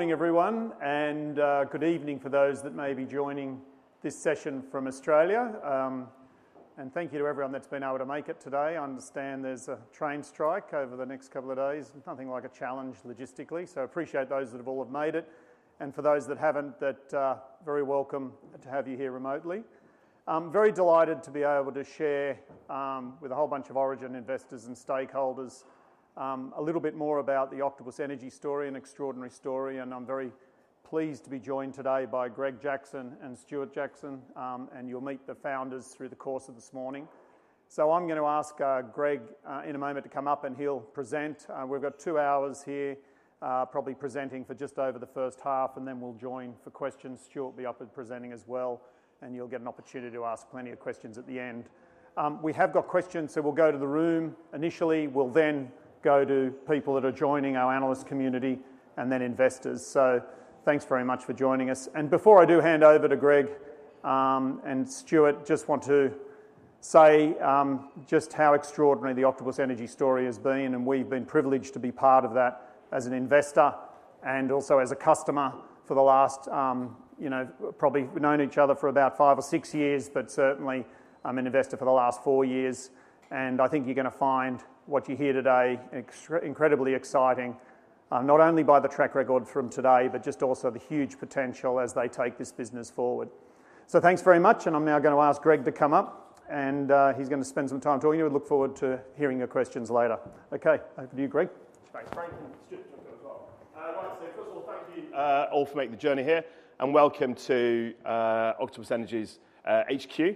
Morning, everyone, and good evening for those that may be joining this session from Australia. And thank you to everyone that's been able to make it today. I understand there's a train strike over the next couple of days. Nothing like a challenge logistically, so appreciate those that have all made it, and for those that haven't, very welcome to have you here remotely. I'm very delighted to be able to share with a whole bunch of Origin investors and stakeholders a little bit more about the Octopus Energy story, an extraordinary story, and I'm very pleased to be joined today by Greg Jackson and Stuart Jackson. And you'll meet the founders through the course of this morning. So I'm gonna ask Greg in a moment to come up, and he'll present. We've got two hours here, probably presenting for just over the first half, and then we'll join for questions. Stuart will be up and presenting as well, and you'll get an opportunity to ask plenty of questions at the end. We have got questions, so we'll go to the room initially. We'll then go to people that are joining, our analyst community, and then investors. Thanks very much for joining us. Before I do hand over to Greg and Stuart, just want to say just how extraordinary the Octopus Energy story has been, and we've been privileged to be part of that as an investor and also as a customer for the last, you know, probably we've known each other for about five or six years, but certainly, I'm an investor for the last four years, and I think you're gonna find what you hear today incredibly exciting, not only by the track record from today, but just also the huge potential as they take this business forward. So thanks very much, and I'm now gonna ask Greg to come up, and he's going to spend some time talking to you. We look forward to hearing your questions later. Okay, over to you, Greg. Thanks, Frank. And Stuart, as well. I want to say, first of all, thank you, all for making the journey here, and welcome to, Octopus Energy's, HQ.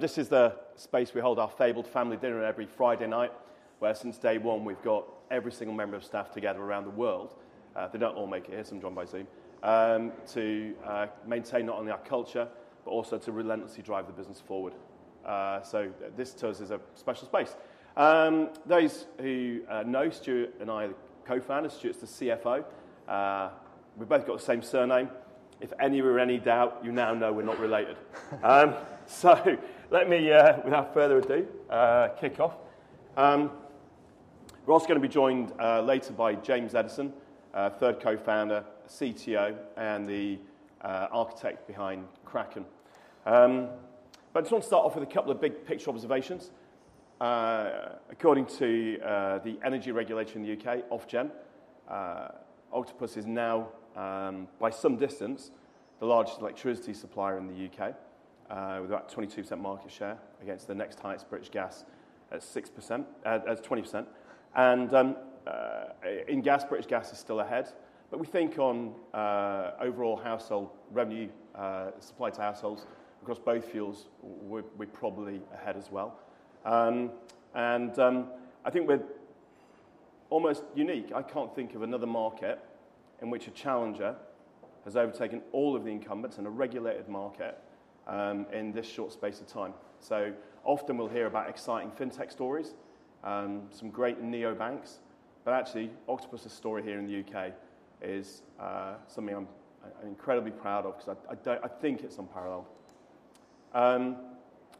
This is the space we hold our fabled family dinner every Friday night, where since day one, we've got every single member of staff together around the world, they don't all make it here, some join by Zoom, to, maintain not only our culture, but also to relentlessly drive the business forward. So this to us is a special space. Those who, know, Stuart and I are the co-founders, Stuart's the CFO. We've both got the same surname. If any were any doubt, you now know we're not related. So let me, without further ado, kick off. We're also going to be joined later by James Eddison, third co-founder, CTO, and the architect behind Kraken. But I just want to start off with a couple of big picture observations. According to the energy regulator in the UK, Ofgem, Octopus is now, by some distance, the largest electricity supplier in the UK, with about 22% market share against the next highest, British Gas, at 6%, at 20%. In gas, British Gas is still ahead, but we think on overall household revenue, supply to households across both fuels, we're probably ahead as well. I think we're almost unique. I can't think of another market in which a challenger has overtaken all of the incumbents in a regulated market, in this short space of time. So often, we'll hear about exciting fintech stories, some great neobanks, but actually, Octopus's story here in the UK is something I'm incredibly proud of because I think it's unparalleled.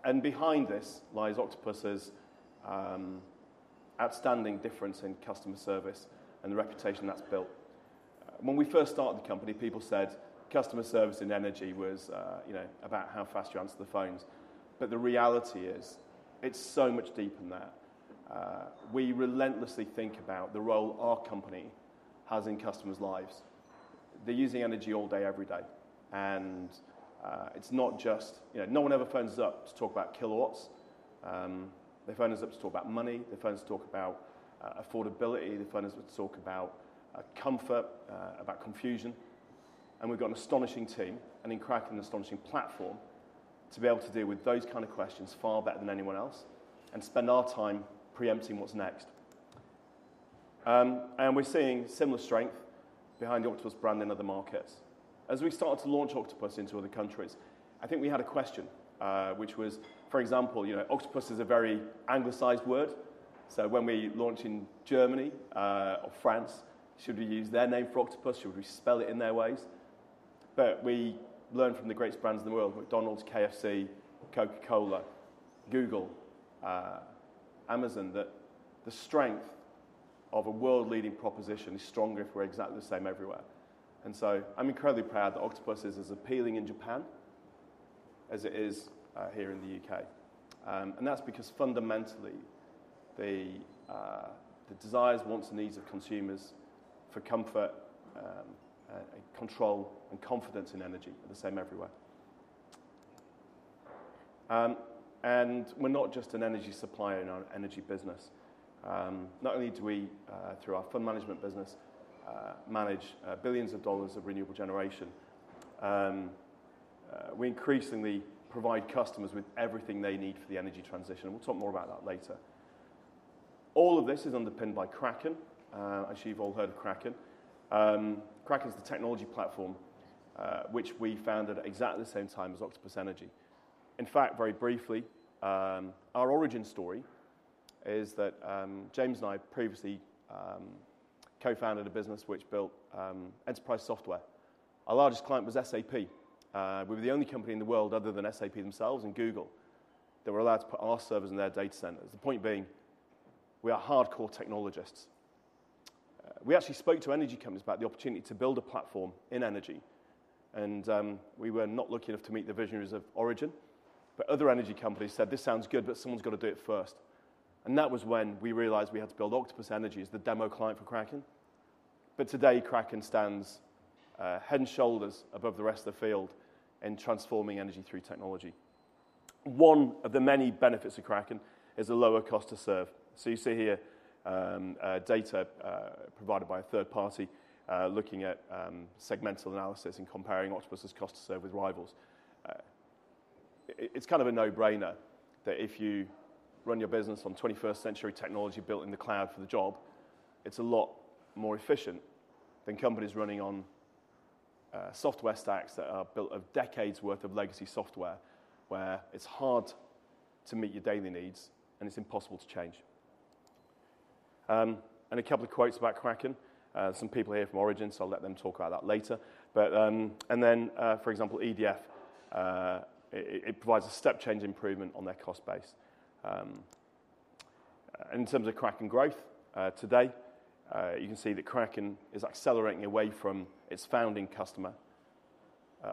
And behind this lies Octopus's outstanding difference in customer service and the reputation that's built. When we first started the company, people said customer service in energy was, you know, about how fast you answer the phones. But the reality is, it's so much deeper than that. We relentlessly think about the role our company has in customers' lives. They're using energy all day, every day, and it's not just... You know, no one ever phones us up to talk about kilowatts. They phone us up to talk about money, they phone us to talk about affordability, they phone us up to talk about comfort, about confusion. We've got an astonishing team, and in Kraken, an astonishing platform, to be able to deal with those kind of questions far better than anyone else and spend our time preempting what's next. We're seeing similar strength behind the Octopus brand in other markets. As we started to launch Octopus into other countries, I think we had a question, which was, for example, you know, Octopus is a very anglicized word, so when we launch in Germany or France, should we use their name for Octopus? Should we spell it in their ways? But we learned from the greatest brands in the world, McDonald's, KFC, Coca-Cola, Google, Amazon, that the strength of a world-leading proposition is stronger if we're exactly the same everywhere. So I'm incredibly proud that Octopus is as appealing in Japan as it is here in the UK. That's because fundamentally, the desires, wants, and needs of consumers for comfort, control, and confidence in energy are the same everywhere. We're not just an energy supplier in our energy business. Not only do we, through our fund management business, manage billions of dollars of renewable generation, we increasingly provide customers with everything they need for the energy transition. We'll talk more about that later. All of this is underpinned by Kraken. I'm sure you've all heard of Kraken. Kraken is the technology platform, which we founded at exactly the same time as Octopus Energy. In fact, very briefly, our origin story is that, James and I previously co-founded a business which built enterprise software. Our largest client was SAP. We were the only company in the world other than SAP themselves and Google, that were allowed to put our servers in their data centers. We are hardcore technologists. We actually spoke to energy companies about the opportunity to build a platform in energy, and we were not lucky enough to meet the visionaries of Origin, but other energy companies said: "This sounds good, but someone's got to do it first." And that was when we realized we had to build Octopus Energy as the demo client for Kraken. But today, Kraken stands head and shoulders above the rest of the field in transforming energy through technology. One of the many benefits of Kraken is the lower cost to serve. So you see here data provided by a third party looking at segmental analysis and comparing Octopus' cost to serve with rivals. It is kind of a no-brainer that if you run your business on 21st century technology built in the cloud for the job, it is a lot more efficient than companies running on software stacks that are built of decades worth of legacy software, where it is hard to meet your daily needs, and it is impossible to change. And a couple of quotes about Kraken. Some people here are from Origin, so I'll let them talk about that later. But... For example, EDF, it provides a step-change improvement on their cost base. In terms of Kraken growth, today, you can see that Kraken is accelerating away from its founding customer,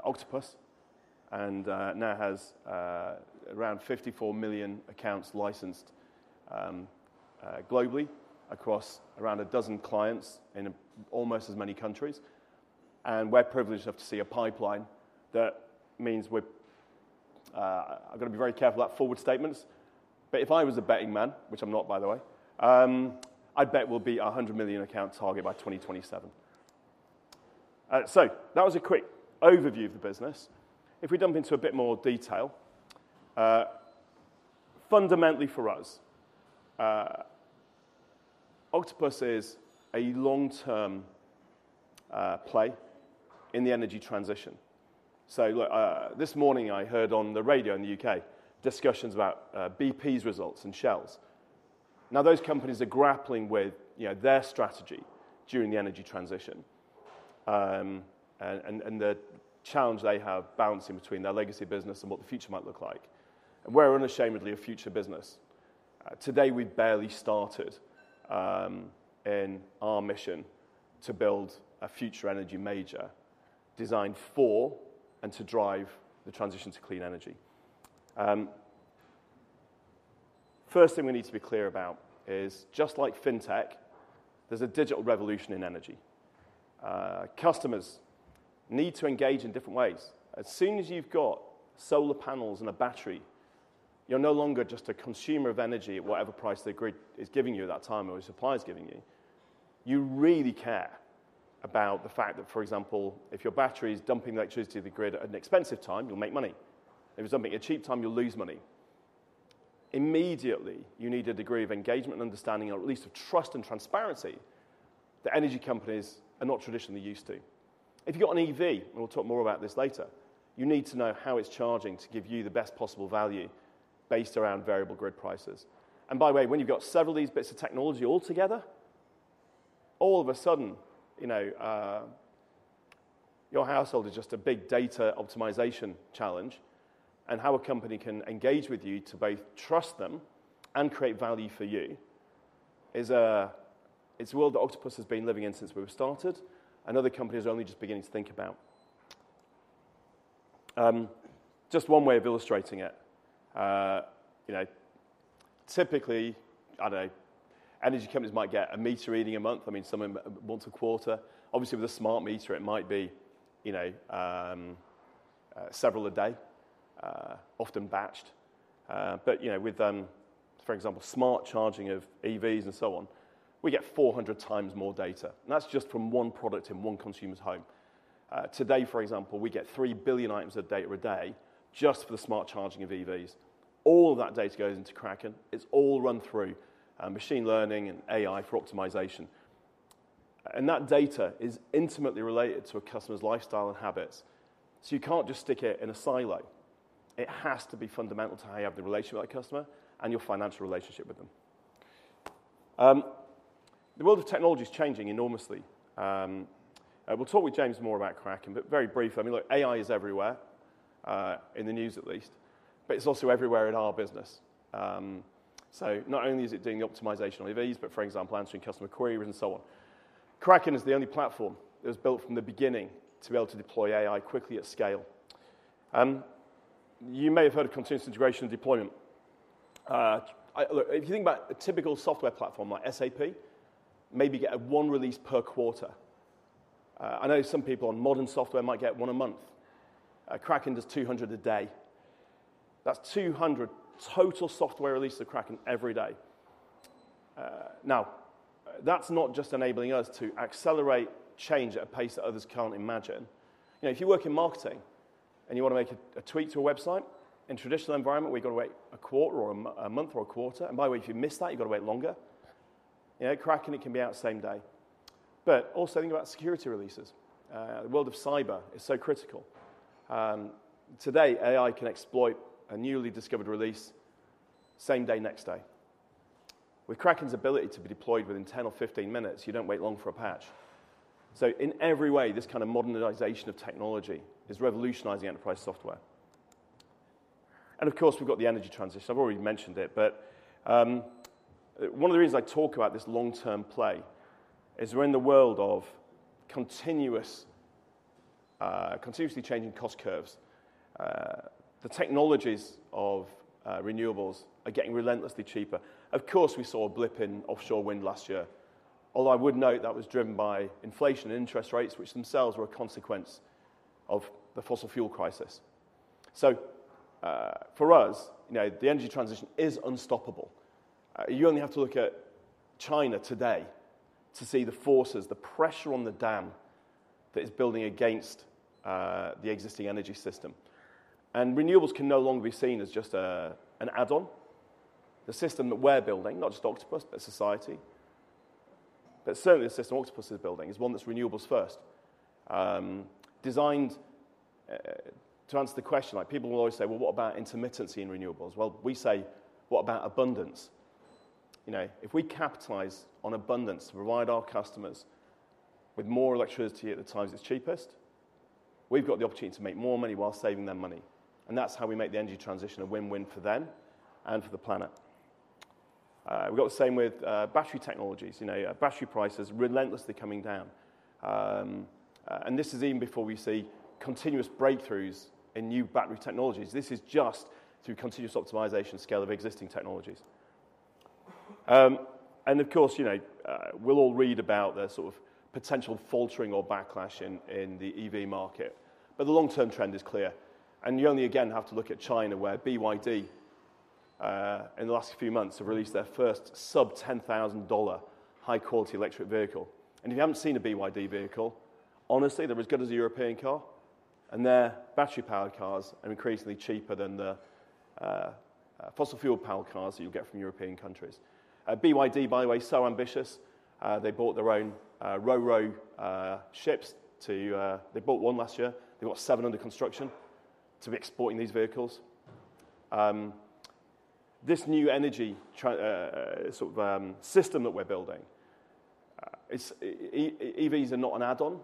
Octopus, and now has around 54 million accounts licensed, globally across around a dozen clients in almost as many countries. We're privileged enough to see a pipeline that means we're... I've got to be very careful about forward statements, but if I was a betting man, which I'm not by the way, I'd bet we'll be at a 100 million account target by 2027. So that was a quick overview of the business. If we jump into a bit more detail, fundamentally, for us, Octopus is a long-term play in the energy transition. So look, this morning, I heard on the radio in the UK, discussions about BP's results and Shell's. Now, those companies are grappling with, you know, their strategy during the energy transition, and the challenge they have balancing between their legacy business and what the future might look like, and we're unashamedly a future business. Today, we've barely started in our mission to build a future energy major designed for and to drive the transition to clean energy. First thing we need to be clear about is just like fintech, there's a digital revolution in energy. Customers need to engage in different ways. As soon as you've got solar panels and a battery, you're no longer just a consumer of energy at whatever price the grid is giving you at that time or your supplier is giving you. You really care about the fact that, for example, if your battery is dumping electricity to the grid at an expensive time, you'll make money. If it's dumping at a cheap time, you'll lose money. Immediately, you need a degree of engagement and understanding or at least of trust and transparency that energy companies are not traditionally used to. If you've got an EV, and we'll talk more about this later, you need to know how it's charging to give you the best possible value based around variable grid prices. And by the way, when you've got several of these bits of technology all together, all of a sudden, you know, your household is just a big data optimization challenge, and how a company can engage with you to both trust them and create value for you is a, it's a world that Octopus has been living in since we've started, and other companies are only just beginning to think about. Just one way of illustrating it, you know, typically, I don't know, energy companies might get a meter reading a month, I mean, some of them once a quarter. Obviously, with a smart meter, it might be, you know, several a day, often batched. But, you know, with, for example, smart charging of EVs and so on, we get 400x more data, and that's just from one product in one consumer's home. Today, for example, we get 3 billion items a day per day just for the smart charging of EVs. All of that data goes into Kraken. It's all run through, machine learning and AI for optimization, and that data is intimately related to a customer's lifestyle and habits. You can't just stick it in a silo. It has to be fundamental to how you have the relationship with that customer and your financial relationship with them. The world of technology is changing enormously. We'll talk with James more about Kraken, but very briefly, I mean, look, AI is everywhere, in the news at least, but it's also everywhere in our business. So not only is it doing the optimization on EVs, but for example, answering customer queries and so on. Kraken is the only platform that was built from the beginning to be able to deploy AI quickly at scale. You may have heard of continuous integration and deployment. Look, if you think about a typical software platform like SAP, maybe get a one release per quarter. I know some people on modern software might get one a month. Kraken does 200 a day. That's 200 total software releases of Kraken every day. Now, that's not just enabling us to accelerate change at a pace that others can't imagine. You know, if you work in marketing and you want to make a tweak to a website, in a traditional environment, we've got to wait a quarter or a month or a quarter, and by the way, if you miss that, you've got to wait longer. You know, Kraken, it can be out same day. But also, think about security releases. The world of cyber is so critical. Today, AI can exploit a newly discovered release same day, next day. With Kraken's ability to be deployed within 10 or 15 minutes, you don't wait long for a patch. So in every way, this kind of modernization of technology is revolutionizing enterprise software.... And of course, we've got the energy transition. I've already mentioned it, but one of the reasons I talk about this long-term play is we're in the world of continuous, continuously changing cost curves. The technologies of renewables are getting relentlessly cheaper. Of course, we saw a blip in offshore wind last year, although I would note that was driven by inflation and interest rates, which themselves were a consequence of the fossil fuel crisis. So, for us, you know, the energy transition is unstoppable. You only have to look at China today to see the forces, the pressure on the dam that is building against the existing energy system. And renewables can no longer be seen as just an add-on. The system that we're building, not just Octopus, but society, but certainly the system Octopus is building, is one that's renewables first. Designed to answer the question, like, people will always say: Well, what about intermittency in renewables? Well, we say: What about abundance? You know, if we capitalize on abundance to provide our customers with more electricity at the times it's cheapest, we've got the opportunity to make more money while saving them money, and that's how we make the energy transition a win-win for them and for the planet. We've got the same with battery technologies. You know, battery prices relentlessly coming down. And this is even before we see continuous breakthroughs in new battery technologies. This is just through continuous optimization scale of existing technologies. And of course, you know, we'll all read about the sort of potential faltering or backlash in the EV market, but the long-term trend is clear, and you only again have to look at China, where BYD in the last few months have released their first sub-$10,000 high-quality electric vehicle. And if you haven't seen a BYD vehicle, honestly, they're as good as a European car, and their battery power cars are increasingly cheaper than the fossil fuel-powered cars that you'll get from European countries. BYD, by the way, so ambitious, they bought their own ro-ro ships to... They bought one last year. They got 7 under construction to be exporting these vehicles. This new energy system that we're building, EVs are not an add-on,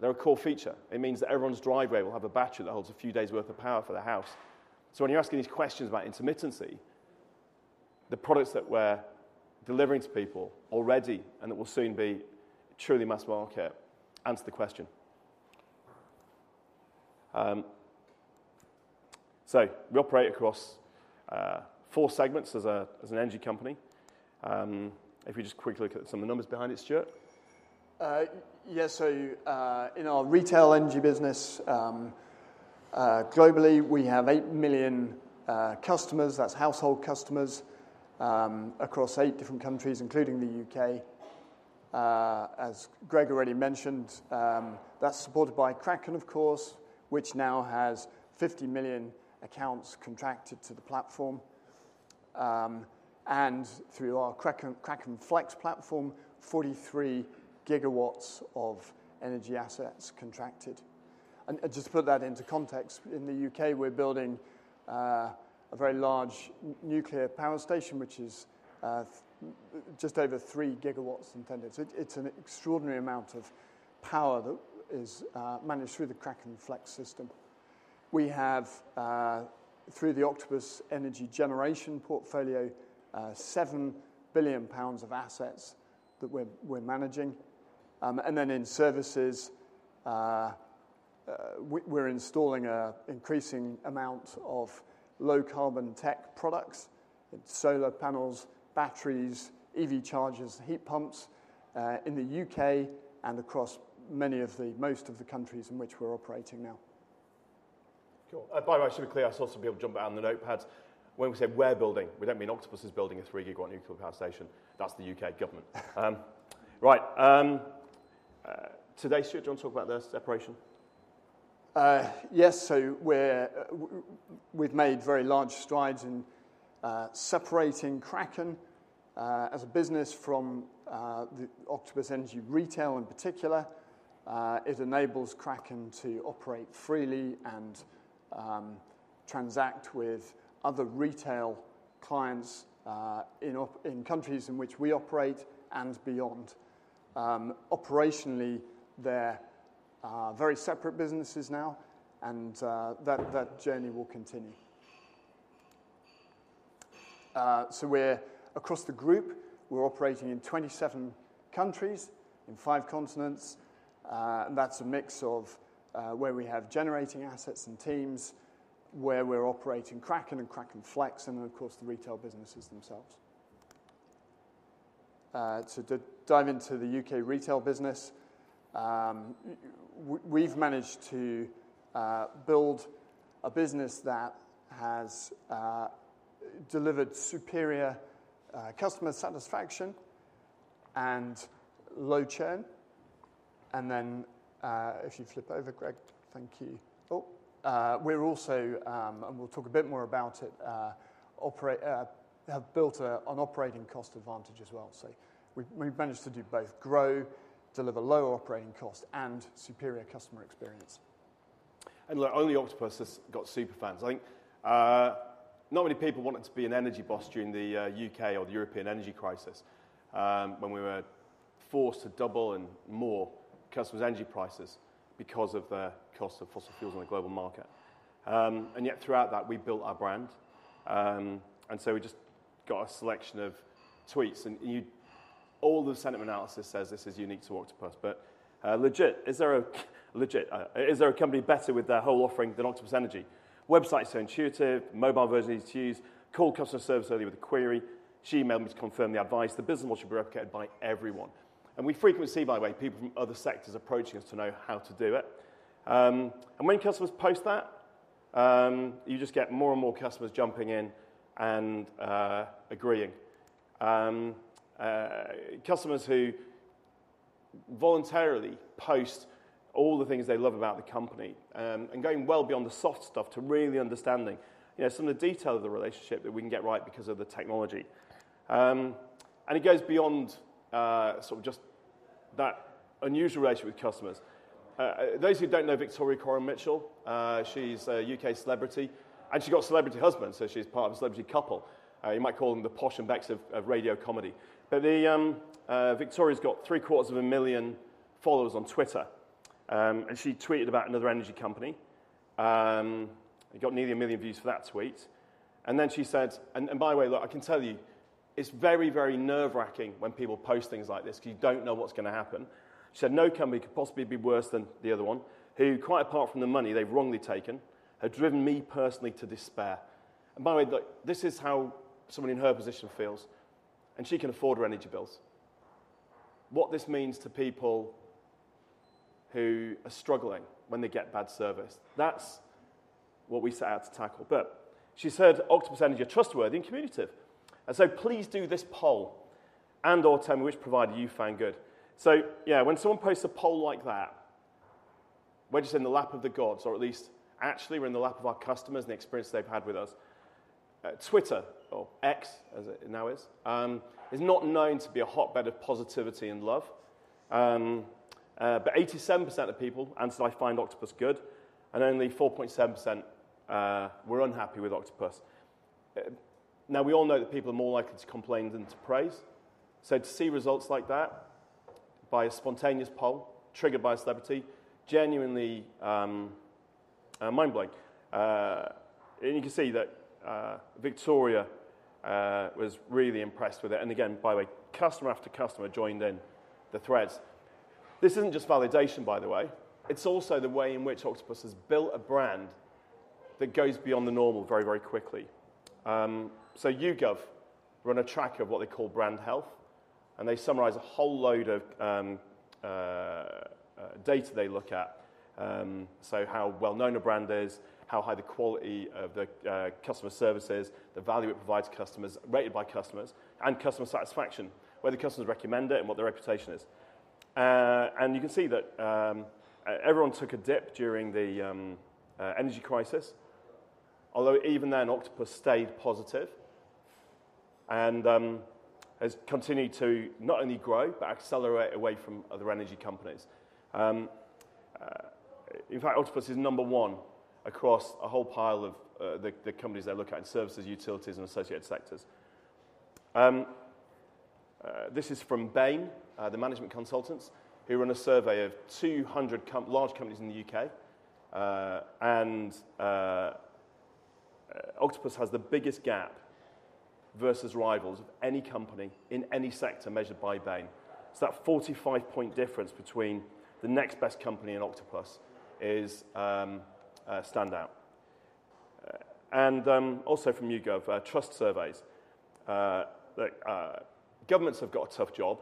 they're a core feature. It means that everyone's driveway will have a battery that holds a few days' worth of power for the house. So when you're asking these questions about intermittency, the products that we're delivering to people already, and it will soon be truly mass market, answer the question. So we operate across four segments as an energy company. If we just quickly look at some of the numbers behind it, Stuart? Yes, so in our retail energy business globally, we have 8 million customers, that's household customers, across 8 different countries, including the UK. As Greg already mentioned, that's supported by Kraken, of course, which now has 50 million accounts contracted to the platform. And through our Kraken KrakenFlex platform, 43 GW of energy assets contracted. And just to put that into context, in the UK, we're building a very large nuclear power station, which is just over 3 GW intended. So it's an extraordinary amount of power that is managed through the KrakenFlex system. We have through the Octopus Energy Generation portfolio, 7 billion pounds of assets that we're managing. And then in services, we're installing an increasing amount of low-carbon tech products, solar panels, batteries, EV chargers, heat pumps, in the UK and across most of the countries in which we're operating now. Cool. By the way, super clear, I should also be able to jump out on the notepads. When we say we're building, we don't mean Octopus is building a 3 GW nuclear power station. That's the UK government. Right. Today, Stuart, do you want to talk about the separation? Yes. So we've made very large strides in separating Kraken as a business from the Octopus Energy Retail in particular. It enables Kraken to operate freely and transact with other retail clients in countries in which we operate and beyond. Operationally, they're very separate businesses now, and that journey will continue. So we're across the group operating in 27 countries, in 5 continents, and that's a mix of where we have generating assets and teams, where we're operating Kraken and KrakenFlex, and then, of course, the retail businesses themselves. So to dive into the UK retail business, we've managed to build a business that has delivered superior customer satisfaction and low churn. And then, if you flip over, Greg. Thank you. We're also, and we'll talk a bit more about it, operate, have built an operating cost advantage as well. So we've managed to do both, grow, deliver low operating cost, and superior customer experience. And look, only Octopus has got super fans, I think. Not many people wanted to be an energy boss during the UK or the European energy crisis, when we were forced to double and more customers' energy prices because of the cost of fossil fuels on the global market. Yet throughout that, we built our brand. And so we just got a selection of tweets, and all the sentiment analysis says this is unique to Octopus, but legit, is there a company better with their whole offering than Octopus Energy? Website's so intuitive, mobile version easy to use. Called customer service earlier with a query, she emailed me to confirm the advice. The business model should be replicated by everyone. We frequently see, by the way, people from other sectors approaching us to know how to do it. When customers post that, you just get more and more customers jumping in and agreeing. Customers who voluntarily post all the things they love about the company, and going well beyond the soft stuff to really understanding, you know, some of the detail of the relationship that we can get right because of the technology. It goes beyond sort of just that unusual relationship with customers. Those who don't know Victoria Coren Mitchell, she's a UK celebrity, and she got a celebrity husband, so she's part of a celebrity couple. You might call them the Posh and Becks of radio comedy. But Victoria's got 750,000 followers on Twitter, and she tweeted about another energy company. It got nearly 1 million views for that tweet. And then she said... And, and by the way, look, I can tell you, it's very, very nerve-wracking when people post things like this, because you don't know what's going to happen. She said, "No company could possibly be worse than the other one, who, quite apart from the money they've wrongly taken, have driven me personally to despair." And by the way, look, this is how somebody in her position feels, and she can afford her energy bills. What this means to people who are struggling when they get bad service, that's what we set out to tackle. But she said, "Octopus Energy are trustworthy and communicative, and so please do this poll and/or tell me which provider you found good." So, yeah, when someone posts a poll like that, we're just in the lap of the gods, or at least actually, we're in the lap of our customers and the experience they've had with us. Twitter, or X as it now is, is not known to be a hotbed of positivity and love. But 87% of people answered, "I find Octopus good," and only 4.7% were unhappy with Octopus. Now, we all know that people are more likely to complain than to praise, so to see results like that by a spontaneous poll triggered by a celebrity, genuinely, mind-blowing. And you can see that, Victoria, was really impressed with it. And again, by the way, customer after customer joined in the threads. This isn't just validation, by the way. It's also the way in which Octopus has built a brand that goes beyond the normal very, very quickly. So YouGov run a tracker of what they call brand health, and they summarize a whole load of data they look at. So how well-known a brand is, how high the quality of the customer service is, the value it provides customers, rated by customers, and customer satisfaction, whether customers recommend it and what their reputation is. And you can see that everyone took a dip during the energy crisis, although even then, Octopus stayed positive and has continued to not only grow, but accelerate away from other energy companies. In fact, Octopus is number one across a whole pile of the companies they look at in services, utilities, and associated sectors. This is from Bain, the management consultants, who ran a survey of 200 large companies in the UK. Octopus has the biggest gap versus rivals of any company in any sector measured by Bain. So that 45-point difference between the next best company and Octopus is standout. Also from YouGov trust surveys. Look, governments have got a tough job,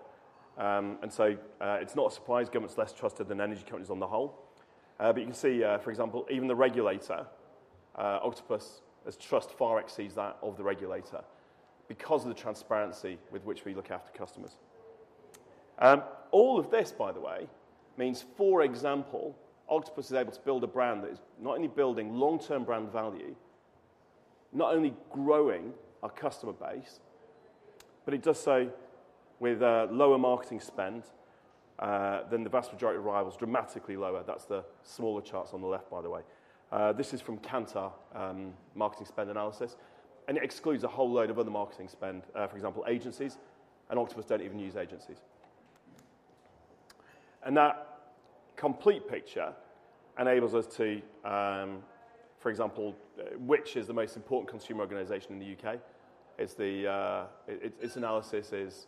and so it's not a surprise government's less trusted than energy companies on the whole. But you can see, for example, even the regulator, Octopus, its trust far exceeds that of the regulator because of the transparency with which we look after customers. All of this, by the way, means, for example, Octopus is able to build a brand that is not only building long-term brand value, not only growing our customer base, but it does so with lower marketing spend than the vast majority of rivals, dramatically lower. That's the smaller charts on the left, by the way. This is from Kantar, marketing spend analysis, and it excludes a whole load of other marketing spend, for example, agencies, and Octopus don't even use agencies. And that complete picture enables us to, for example, Which? is the most important consumer organization in the UK, it's the, It's, its analysis is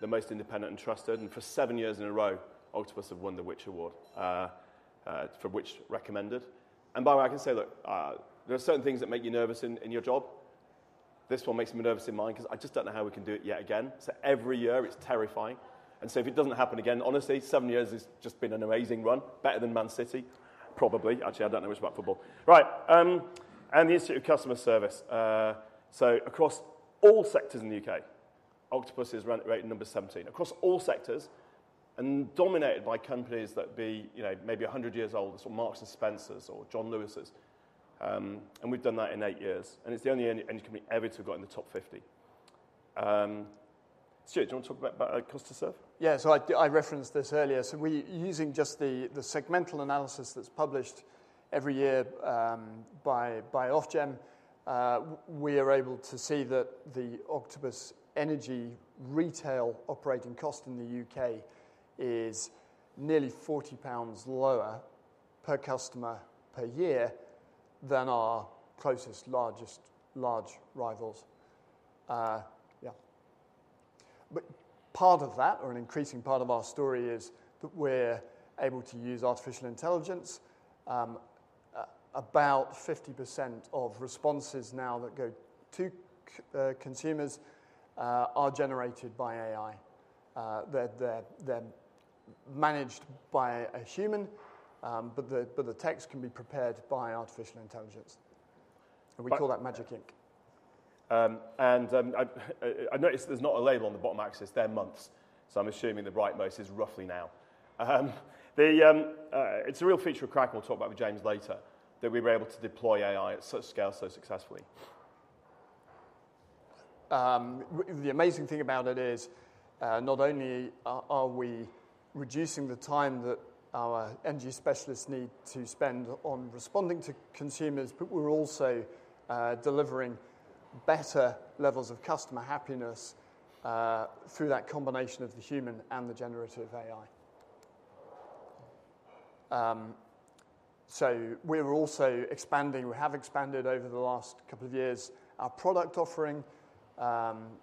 the most independent and trusted, and for seven years in a row, Octopus have won the Which? Award, for Which? Recommended. By the way, I can say, look, there are certain things that make you nervous in, in your job. This one makes me nervous in mine because I just don't know how we can do it yet again. So every year, it's terrifying. And so if it doesn't happen again, honestly, seven years has just been an amazing run. Better than Manchester City, probably. Actually, I don't know much about football. And the Institute of Customer Service. So across all sectors in the UK, Octopus is ranked number 17. Across all sectors, and dominated by companies that be, you know, maybe 100 years old, sort of Marks & Spencer or John Lewis. And we've done that in 8 years, and it's the only energy company ever to have got in the top 50. Stuart, do you want to talk about customer service? Yeah, so I referenced this earlier. So we, using just the segmental analysis that's published every year by Ofgem, we are able to see that the Octopus Energy Retail operating cost in the UK is nearly 40 pounds lower per customer per year than our closest, largest, large rivals. Yeah. But part of that, or an increasing part of our story, is that we're able to use artificial intelligence. About 50% of responses now that go to consumers are generated by AI. They're managed by a human, but the text can be prepared by artificial intelligence. And we call that Magic Ink. I notice there's not a label on the bottom axis, they're months, so I'm assuming the rightmost is roughly now. It's a real feature of Kraken we'll talk about with James later, that we were able to deploy AI at such scale so successfully. The amazing thing about it is, not only are we reducing the time that our energy specialists need to spend on responding to consumers, but we're also delivering better levels of customer happiness through that combination of the human and the generative AI. So we're also expanding. We have expanded over the last couple of years our product offering.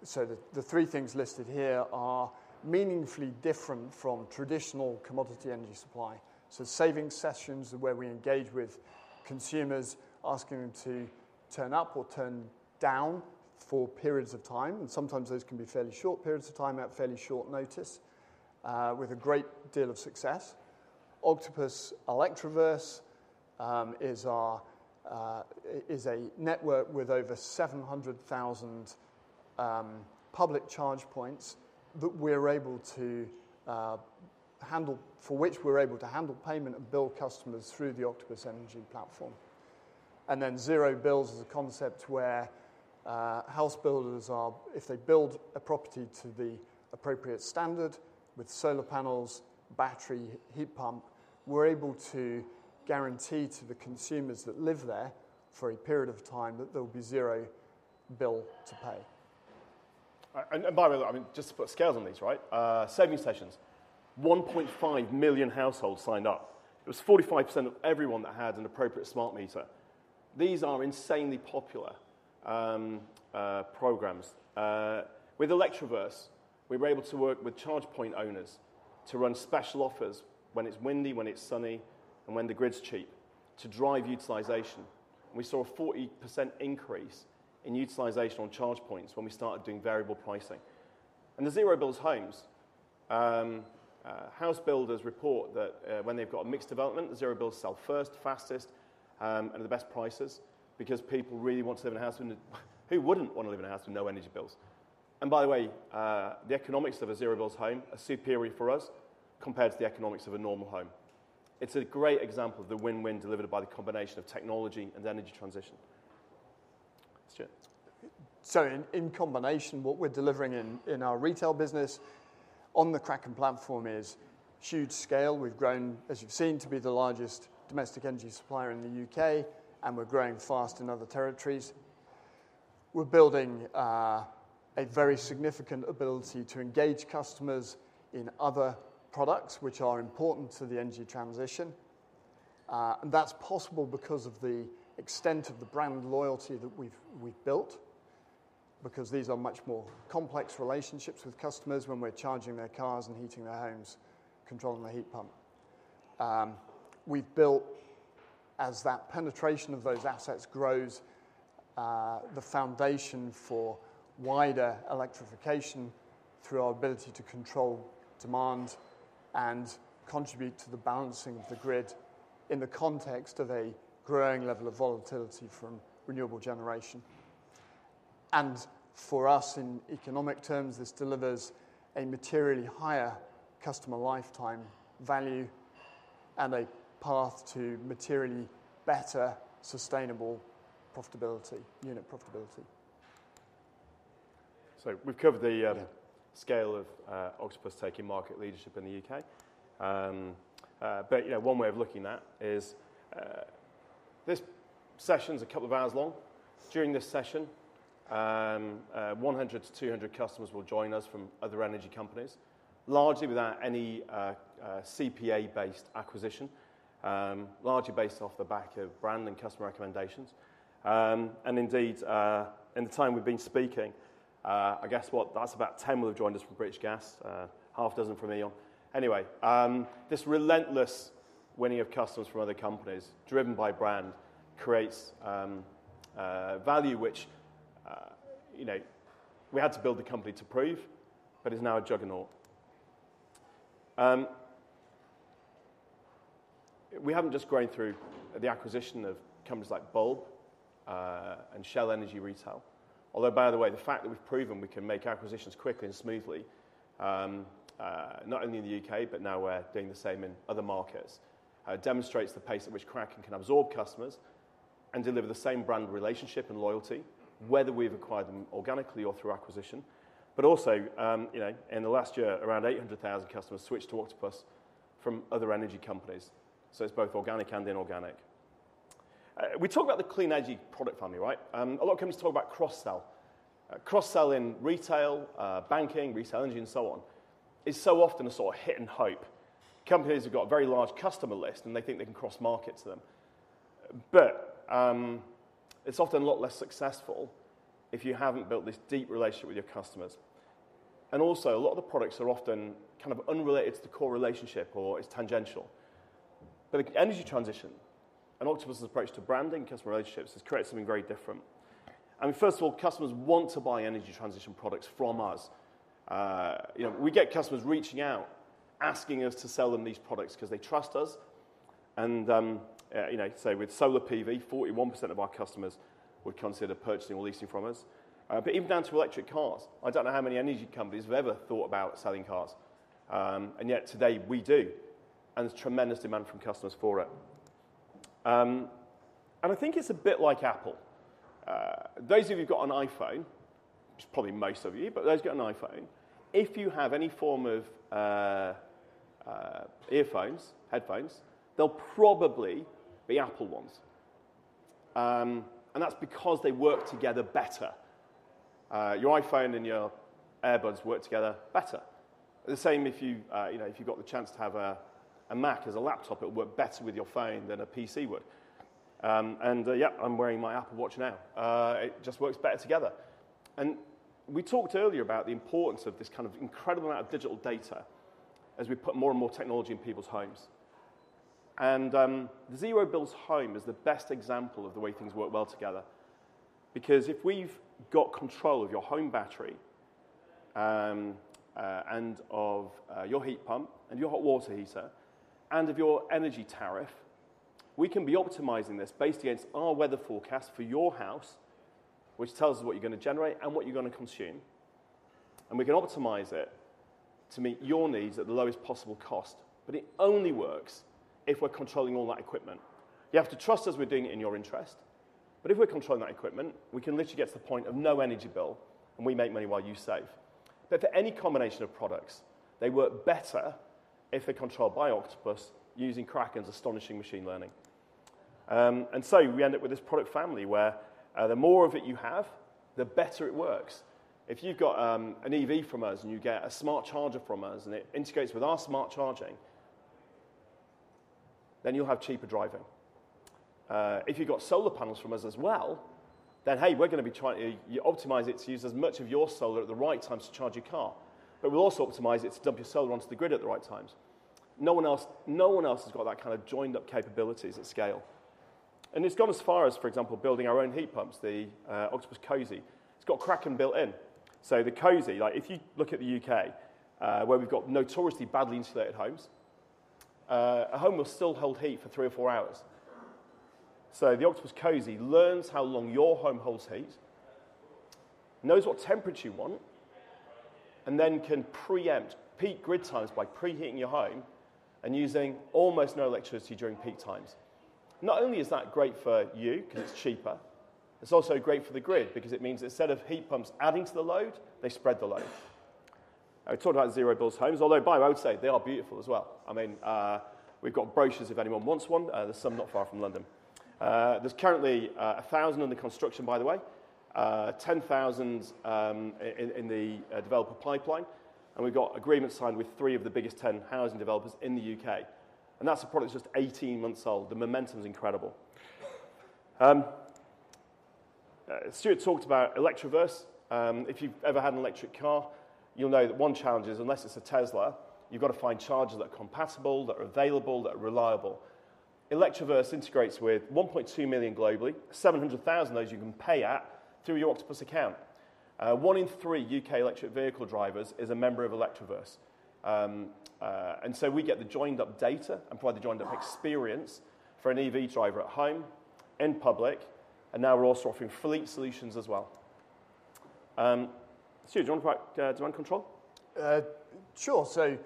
So the three things listed here are meaningfully different from traditional commodity energy supply. So Saving Sessions are where we engage with consumers, asking them to turn up or turn down for periods of time, and sometimes those can be fairly short periods of time at fairly short notice, with a great deal of success. Octopus Electroverse is our is a network with over 700,000 public charge points that we're able to handle for which we're able to handle payment and bill customers through the Octopus Energy platform. And then Zero Bills is a concept where house builders are if they build a property to the appropriate standard with solar panels, battery, heat pump, we're able to guarantee to the consumers that live there, for a period of time, that there will be zero bill to pay. And by the way, I mean, just to put scales on these, right? Saving Sessions, 1.5 million households signed up. It was 45% of everyone that had an appropriate smart meter. These are insanely popular programs. With Electroverse, we were able to work with charge point owners to run special offers when it's windy, when it's sunny, and when the grid's cheap, to drive utilization. We saw a 40% increase in utilization on charge points when we started doing variable pricing. And the Zero Bills homes, house builders report that, when they've got a mixed development, the Zero Bills sell first, fastest, and at the best prices because people really want to live in a house with no energy bills? Who wouldn't want to live in a house with no energy bills? By the way, the economics of a Zero Bills home are superior for us compared to the economics of a normal home. It's a great example of the win-win delivered by the combination of technology and energy transition. Stuart. So in combination, what we're delivering in our retail business on the Kraken platform is huge scale. We've grown, as you've seen, to be the largest domestic energy supplier in the UK, and we're growing fast in other territories. We're building a very significant ability to engage customers in other products which are important to the energy transition. And that's possible because of the extent of the brand loyalty that we've built, because these are much more complex relationships with customers when we're charging their cars and heating their homes, controlling their heat pump. We've built, as that penetration of those assets grows, the foundation for wider electrification through our ability to control demand and contribute to the balancing of the grid in the context of a growing level of volatility from renewable generation. For us, in economic terms, this delivers a materially higher customer lifetime value and a path to materially better, sustainable profitability, unit profitability. So we've covered the Yeah... scale of Octopus taking market leadership in the UK. But, you know, one way of looking at that is this session's a couple of hours long. During this session, 100-200 customers will join us from other energy companies, largely without any CPA-based acquisition, largely based off the back of brand and customer recommendations. And indeed, in the time we've been speaking, I guess what? That's about 10 will have joined us from British Gas, 6 from E.ON. Anyway, this relentless winning of customers from other companies, driven by brand, creates value, which, you know, we had to build the company to prove, but is now a juggernaut. We haven't just grown through the acquisition of companies like Bulb, and Shell Energy Retail. Although, by the way, the fact that we've proven we can make acquisitions quickly and smoothly, not only in the UK, but now we're doing the same in other markets, demonstrates the pace at which Kraken can absorb customers and deliver the same brand relationship and loyalty, whether we've acquired them organically or through acquisition. But also, you know, in the last year, around 800,000 customers switched to Octopus from other energy companies. So it's both organic and inorganic. We talk about the clean energy product family, right? A lot of companies talk about cross-sell. Cross-sell in retail, banking, retail energy, and so on, is so often a sort of hit and hope. Companies have got a very large customer list, and they think they can cross-market to them. But it's often a lot less successful if you haven't built this deep relationship with your customers. And also, a lot of the products are often kind of unrelated to the core relationship, or it's tangential. But energy transition and Octopus' approach to branding customer relationships has created something very different. I mean, first of all, customers want to buy energy transition products from us. You know, we get customers reaching out, asking us to sell them these products 'cause they trust us, and you know, say, with solar PV, 41% of our customers would consider purchasing or leasing from us. But even down to electric cars, I don't know how many energy companies have ever thought about selling cars. And yet today, we do, and there's tremendous demand from customers for it. And I think it's a bit like Apple. Those of you who've got an iPhone, which is probably most of you, but those who've got an iPhone, if you have any form of earphones, headphones, they'll probably be Apple ones. And that's because they work together better. Your iPhone and your earbuds work together better. The same if you, you know, if you've got the chance to have a Mac as a laptop, it'll work better with your phone than a PC would. And, yeah, I'm wearing my Apple Watch now. It just works better together. And we talked earlier about the importance of this kind of incredible amount of digital data as we put more and more technology in people's homes. And Zero Bills Home is the best example of the way things work well together. Because if we've got control of your home battery, and of your heat pump, and your hot water heater, and of your energy tariff, we can be optimizing this based against our weather forecast for your house, which tells us what you're gonna generate and what you're gonna consume. And we can optimize it to meet your needs at the lowest possible cost, but it only works if we're controlling all that equipment. You have to trust us, we're doing it in your interest. But if we're controlling that equipment, we can literally get to the point of no energy bill, and we make money while you save. But for any combination of products, they work better if they're controlled by Octopus using Kraken's astonishing machine learning. And so we end up with this product family where, the more of it you have, the better it works. If you've got an EV from us, and you get a smart charger from us, and it integrates with our smart charging, then you'll have cheaper driving. If you've got solar panels from us as well, then, hey, we're gonna be trying-- you optimize it to use as much of your solar at the right time to charge your car. But we'll also optimize it to dump your solar onto the grid at the right times. No one else, no one else has got that kind of joined-up capabilities at scale. And it's gone as far as, for example, building our own heat pumps, the Octopus Cosy. It's got Kraken built in. So the Cosy, like, if you look at the UK, where we've got notoriously badly insulated homes, a home will still hold heat for three or four hours. So the Octopus Cosy learns how long your home holds heat, knows what temperature you want, and then can preempt peak grid times by preheating your home and using almost no electricity during peak times. Not only is that great for you 'cause it's cheaper, it's also great for the grid because it means instead of heat pumps adding to the load, they spread the load. I talked about Zero Bills homes, although, by the way, I would say they are beautiful as well. I mean, we've got brochures if anyone wants one. There's some not far from London. There's currently 1,000 under construction, by the way, 10,000 in the developer pipeline, and we've got agreements signed with 3 of the biggest 10 housing developers in the UK. That's a product that's just 18 months old. The momentum is incredible. Stuart talked about Electroverse. If you've ever had an electric car, you'll know that one challenge is, unless it's a Tesla, you've got to find chargers that are compatible, that are available, that are reliable. Electroverse integrates with 1.2 million globally, 700,000 of those you can pay at through your Octopus account. One in 3 UK electric vehicle drivers is a member of Electroverse. We get the joined-up data and provide the joined-up experience for an EV driver at home, in public, and now we're also offering fleet solutions as well. Stuart, do you want to talk, do you want control? Sure. So,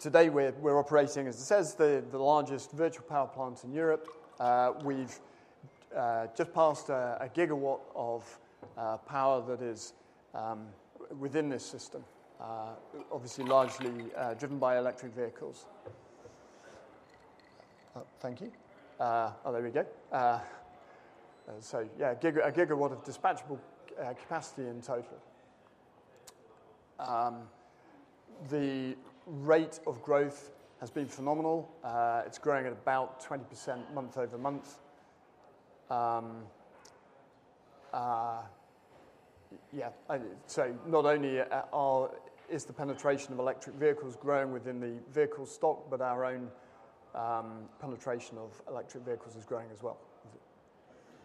today, we're operating, as it says, the largest virtual power plant in Europe. We've just passed a gigawatt of power that is within this system, obviously largely driven by electric vehicles. Thank you. Oh, there we go. So yeah, a gigawatt of dispatchable capacity in total. The rate of growth has been phenomenal. It's growing at about 20% month-over-month. Yeah, I... So not only is the penetration of electric vehicles growing within the vehicle stock, but our own penetration of electric vehicles is growing as well.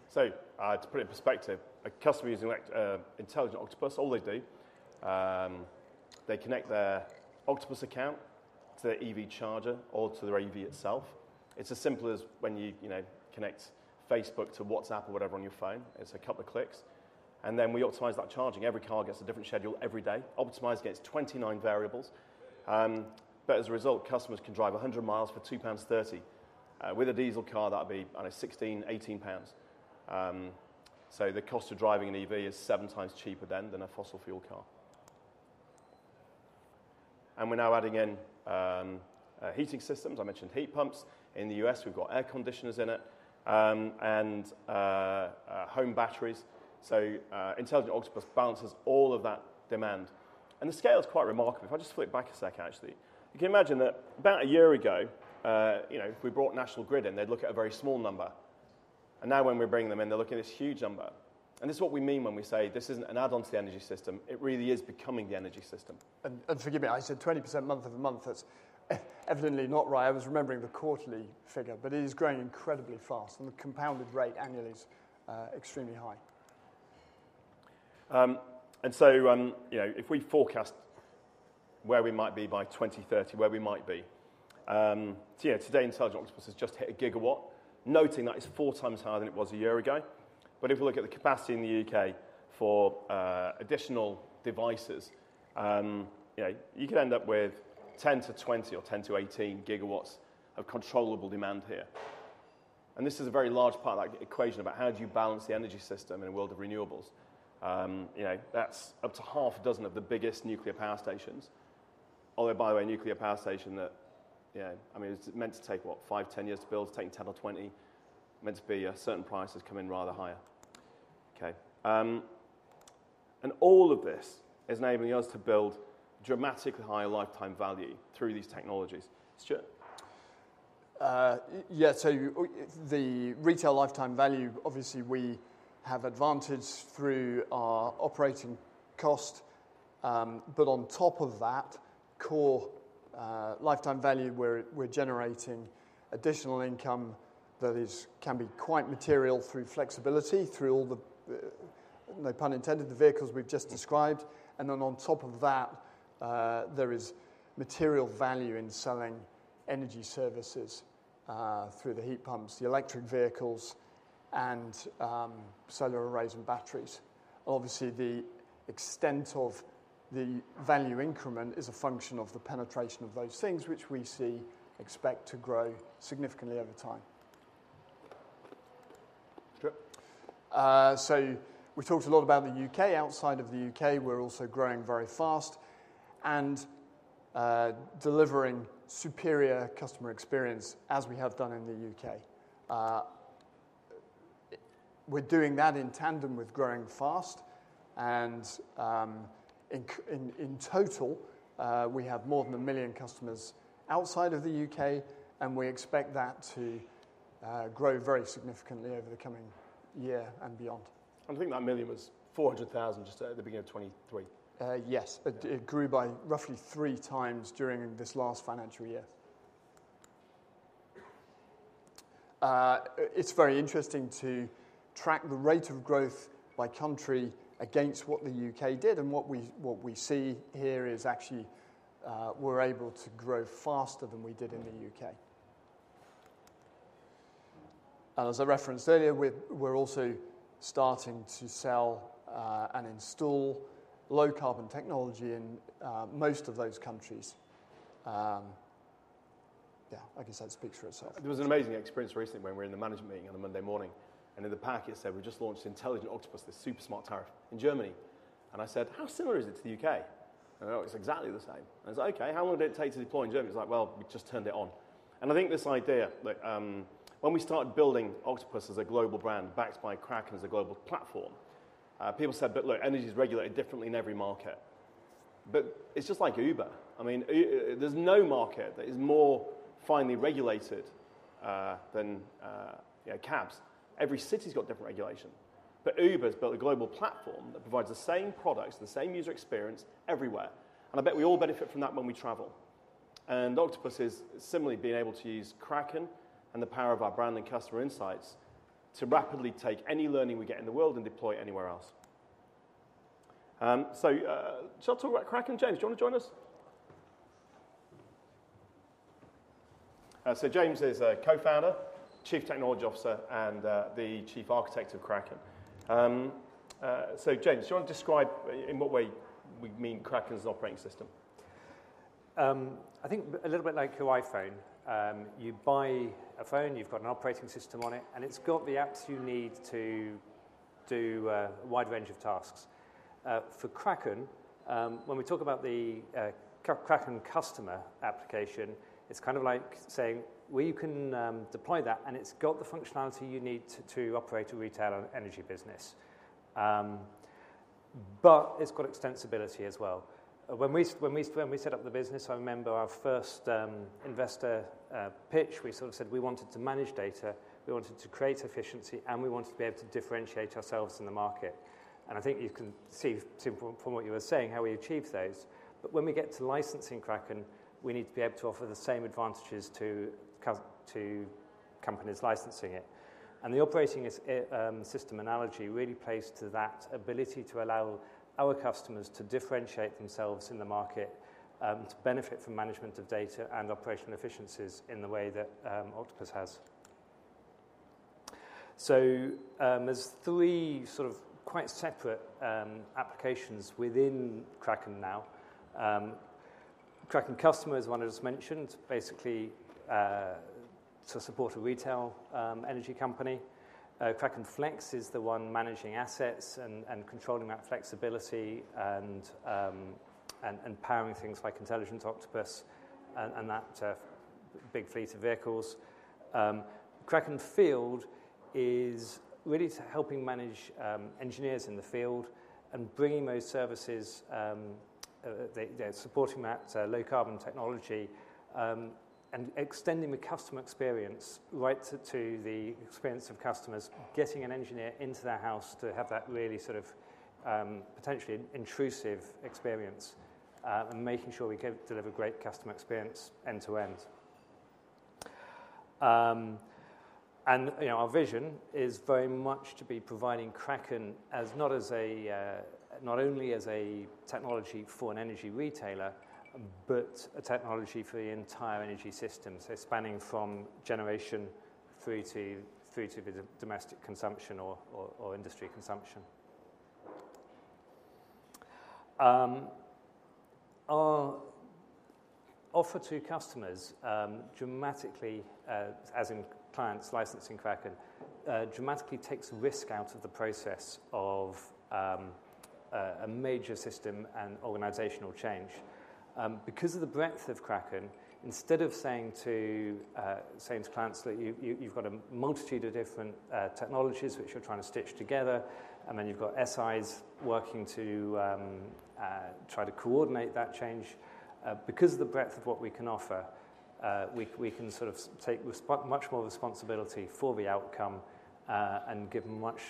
So, to put it in perspective, a customer using Intelligent Octopus, all they do, they connect their Octopus account to their EV charger or to their EV itself. It's as simple as when you, you know, connect Facebook to WhatsApp or whatever on your phone. It's a couple of clicks, and then we optimize that charging. Every car gets a different schedule every day, optimized against 29 variables. But as a result, customers can drive 100 miles for 2.30 pounds. With a diesel car, that would be, I don't know, 16-18 pounds. So the cost of driving an EV is seven times cheaper than a fossil fuel car. And we're now adding in heating systems. I mentioned heat pumps. In the U.S., we've got air conditioners in it, and home batteries. So, Intelligent Octopus balances all of that demand, and the scale is quite remarkable. If I just flip back a sec, actually. You can imagine that about a year ago, you know, if we brought National Grid in, they'd look at a very small number. Now when we're bringing them in, they're looking at this huge number. This is what we mean when we say this isn't an add-on to the energy system, it really is becoming the energy system. Forgive me, I said 20% month-over-month, that's evidently not right. I was remembering the quarterly figure, but it is growing incredibly fast, and the compounded rate annually is extremely high. And so, you know, if we forecast where we might be by 2030, where we might be. So yeah, today, Intelligent Octopus has just hit a gigawatt, noting that it's four times higher than it was a year ago. But if we look at the capacity in the UK for additional devices, you know, you could end up with 10 GW-20 GW or 10 GW -18 GW of controllable demand here. And this is a very large part of that equation about how do you balance the energy system in a world of renewables? You know, that's up to half a dozen of the biggest nuclear power stations. Although, by the way, nuclear power station that, yeah, I mean, it's meant to take what, five, 10 years to build, it's taking 10 years or 20 year. Meant to be a certain price, has come in rather higher. Okay, and all of this is enabling us to build dramatically higher lifetime value through these technologies. Stuart? Yeah, so the retail lifetime value, obviously, we have advantage through our operating cost, but on top of that core lifetime value, we're generating additional income that can be quite material through flexibility, through all the, no pun intended, the vehicles we've just described. Then on top of that, there is material value in selling energy services through the heat pumps, the electric vehicles, and solar arrays and batteries. Obviously, the extent of the value increment is a function of the penetration of those things, which we expect to grow significantly over time. Sure. So we talked a lot about the UK. Outside of the UK, we're also growing very fast and delivering superior customer experience as we have done in the UK. We're doing that in tandem with growing fast, and in total, we have more than 1 million customers outside of the UK, and we expect that to grow very significantly over the coming year and beyond. I think that million was 400,000 just at the beginning of 2023. Yes, but it grew by roughly three times during this last financial year. It's very interesting to track the rate of growth by country against what the UK did, and what we see here is actually, we're able to grow faster than we did in the UK. And as I referenced earlier, we're also starting to sell and install low carbon technology in most of those countries. Yeah, like I said, speaks for itself. It was an amazing experience recently when we were in the management meeting on a Monday morning, and in the pack, it said, "We just launched Intelligent Octopus, this super smart tariff in Germany." And I said: How similar is it to the UK? And, "Oh, it's exactly the same." And I was like: Okay, how long did it take to deploy in Germany? He was like, "Well, we just turned it on." And I think this idea that, when we started building Octopus as a global brand, backed by Kraken as a global platform, people said, "But look, energy is regulated differently in every market." But it's just like Uber. I mean, there's no market that is more finely regulated than, you know, cabs. Every city's got different regulation, but Uber's built a global platform that provides the same products, the same user experience everywhere, and I bet we all benefit from that when we travel. And Octopus is similarly being able to use Kraken and the power of our brand and customer insights to rapidly take any learning we get in the world and deploy it anywhere else. So, shall I talk about Kraken? James, do you want to join us? So James is a co-founder, Chief Technology Officer, and the chief architect of Kraken. So, James, do you want to describe in what way we mean Kraken as an operating system? I think a little bit like your iPhone, you buy a phone, you've got an operating system on it, and it's got the apps you need to do a wide range of tasks. For Kraken, when we talk about the Kraken Customer application, it's kind of like saying, well, you can deploy that, and it's got the functionality you need to operate a retail energy business. But it's got extensibility as well. When we set up the business, I remember our first investor pitch, we sort of said we wanted to manage data, we wanted to create efficiency, and we wanted to be able to differentiate ourselves in the market. And I think you can see from what you were saying, how we achieved those. When we get to licensing Kraken, we need to be able to offer the same advantages to companies licensing it. The operating system analogy really plays to that ability to allow our customers to differentiate themselves in the market, to benefit from management of data and operational efficiencies in the way that Octopus has. There's three sort of quite separate applications within Kraken now. Kraken Customer is one that was mentioned, basically, to support a retail energy company. Kraken Flex is the one managing assets and controlling that flexibility, and powering things like Intelligent Octopus and that big fleet of vehicles. Kraken Field is really to helping manage engineers in the field and bringing those services, they, they're supporting that low-carbon technology, and extending the customer experience right to the experience of customers, getting an engineer into their house to have that really sort of potentially intrusive experience, and making sure we deliver great customer experience end to end. And, you know, our vision is very much to be providing Kraken as not only as a technology for an energy retailer, but a technology for the entire energy system, so spanning from generation through to the domestic consumption or industry consumption. Our offer to customers, dramatically, as in clients licensing Kraken, dramatically takes risk out of the process of a major system and organizational change. Because of the breadth of Kraken, instead of saying to clients that you've got a multitude of different technologies which you're trying to stitch together, and then you've got SIs working to try to coordinate that change. Because of the breadth of what we can offer, we can sort of take much more responsibility for the outcome, and give them much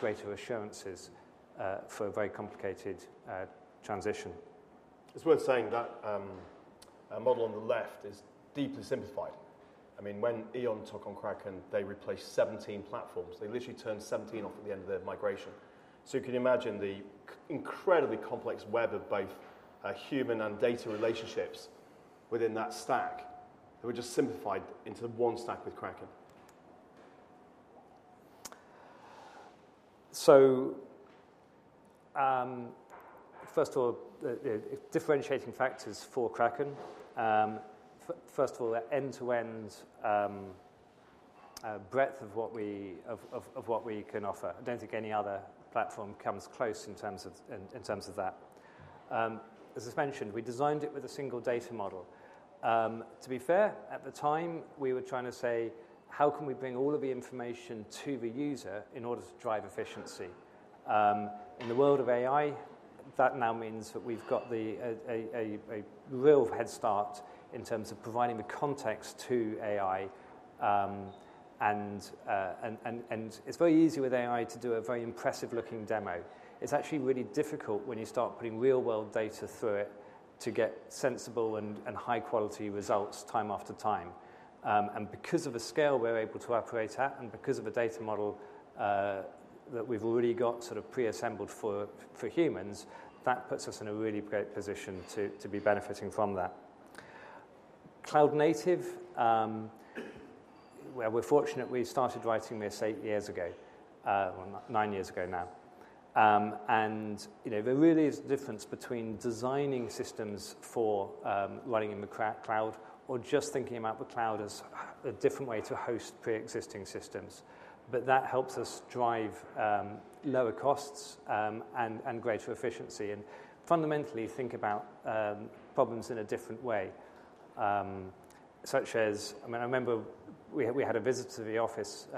greater assurances for a very complicated transition. It's worth saying that, our model on the left is deeply simplified. I mean, when E.ON took on Kraken, they replaced 17 platforms. They literally turned 17 off at the end of their migration. So you can imagine the incredibly complex web of both, human and data relationships within that stack, that were just simplified into one stack with Kraken. So, first of all, the differentiating factors for Kraken. First of all, the end-to-end breadth of what we can offer. I don't think any other platform comes close in terms of that. As I mentioned, we designed it with a single data model. To be fair, at the time, we were trying to say: How can we bring all of the information to the user in order to drive efficiency? In the world of AI, that now means that we've got a real head start in terms of providing the context to AI. And it's very easy with AI to do a very impressive-looking demo. It's actually really difficult when you start putting real-world data through it, to get sensible and high-quality results time after time. And because of the scale we're able to operate at, and because of the data model that we've already got sort of pre-assembled for humans, that puts us in a really great position to be benefiting from that. Cloud Native, well, we're fortunate we started writing this eight years ago, nine years ago now. And, you know, there really is a difference between designing systems for running in the cloud, or just thinking about the cloud as a different way to host pre-existing systems. But that helps us drive lower costs and greater efficiency, and fundamentally, think about problems in a different way. Such as, I mean, I remember we had a visitor to the office,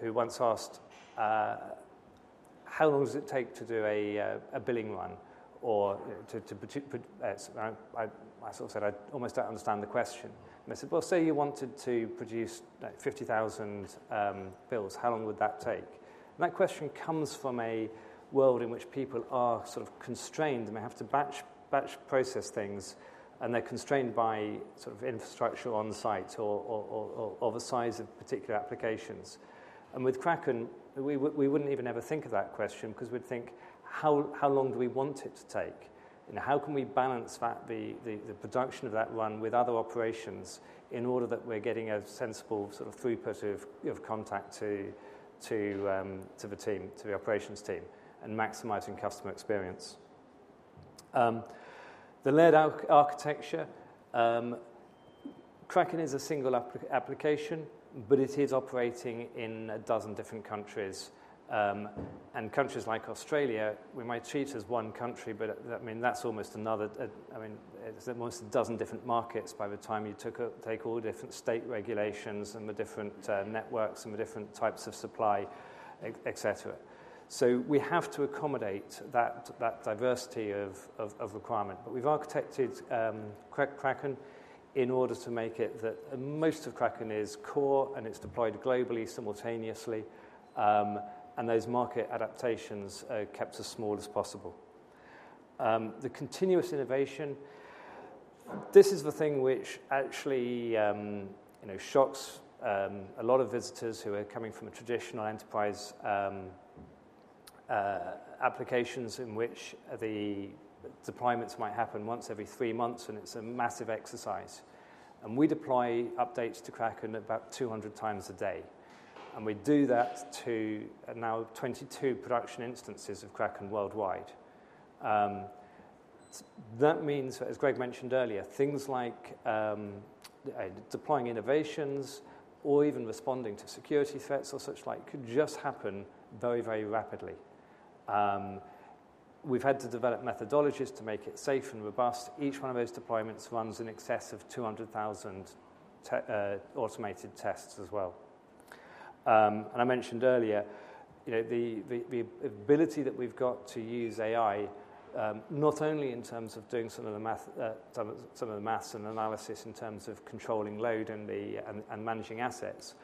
who once asked, "How long does it take to do a billing run or to..." I sort of said, "I almost don't understand the question." And they said, "Well, say you wanted to produce, like, 50,000 bills, how long would that take?" That question comes from a world in which people are sort of constrained, and they have to batch process things, and they're constrained by sort of infrastructure on site or the size of particular applications. And with Kraken, we wouldn't even ever think of that question because we'd think: How long do we want it to take? And how can we balance that, the production of that run with other operations in order that we're getting a sensible sort of throughput of contact to the team, to the operations team, and maximizing customer experience? The layered architecture, Kraken is a single application, but it is operating in 12 different countries. And countries like Australia, we might treat as one country, but, I mean, that's almost another, I mean, it's almost 12 different markets by the time you take all the different state regulations and the different networks and the different types of supply, et cetera. So we have to accommodate that diversity of requirement. But we've architected Kraken in order to make it that most of Kraken is core, and it's deployed globally, simultaneously, and those market adaptations are kept as small as possible. The continuous innovation, this is the thing which actually you know shocks a lot of visitors who are coming from a traditional enterprise applications in which the deployments might happen once every three months, and it's a massive exercise. And we deploy updates to Kraken about 200x a day, and we do that to now 22 production instances of Kraken worldwide. That means, as Greg mentioned earlier, things like deploying innovations or even responding to security threats or such like, can just happen very, very rapidly. We've had to develop methodologies to make it safe and robust. Each one of those deployments runs in excess of 200,000 automated tests as well. And I mentioned earlier, you know, the ability that we've got to use AI, not only in terms of doing some of the math, some of the maths and analysis in terms of controlling load and managing assets,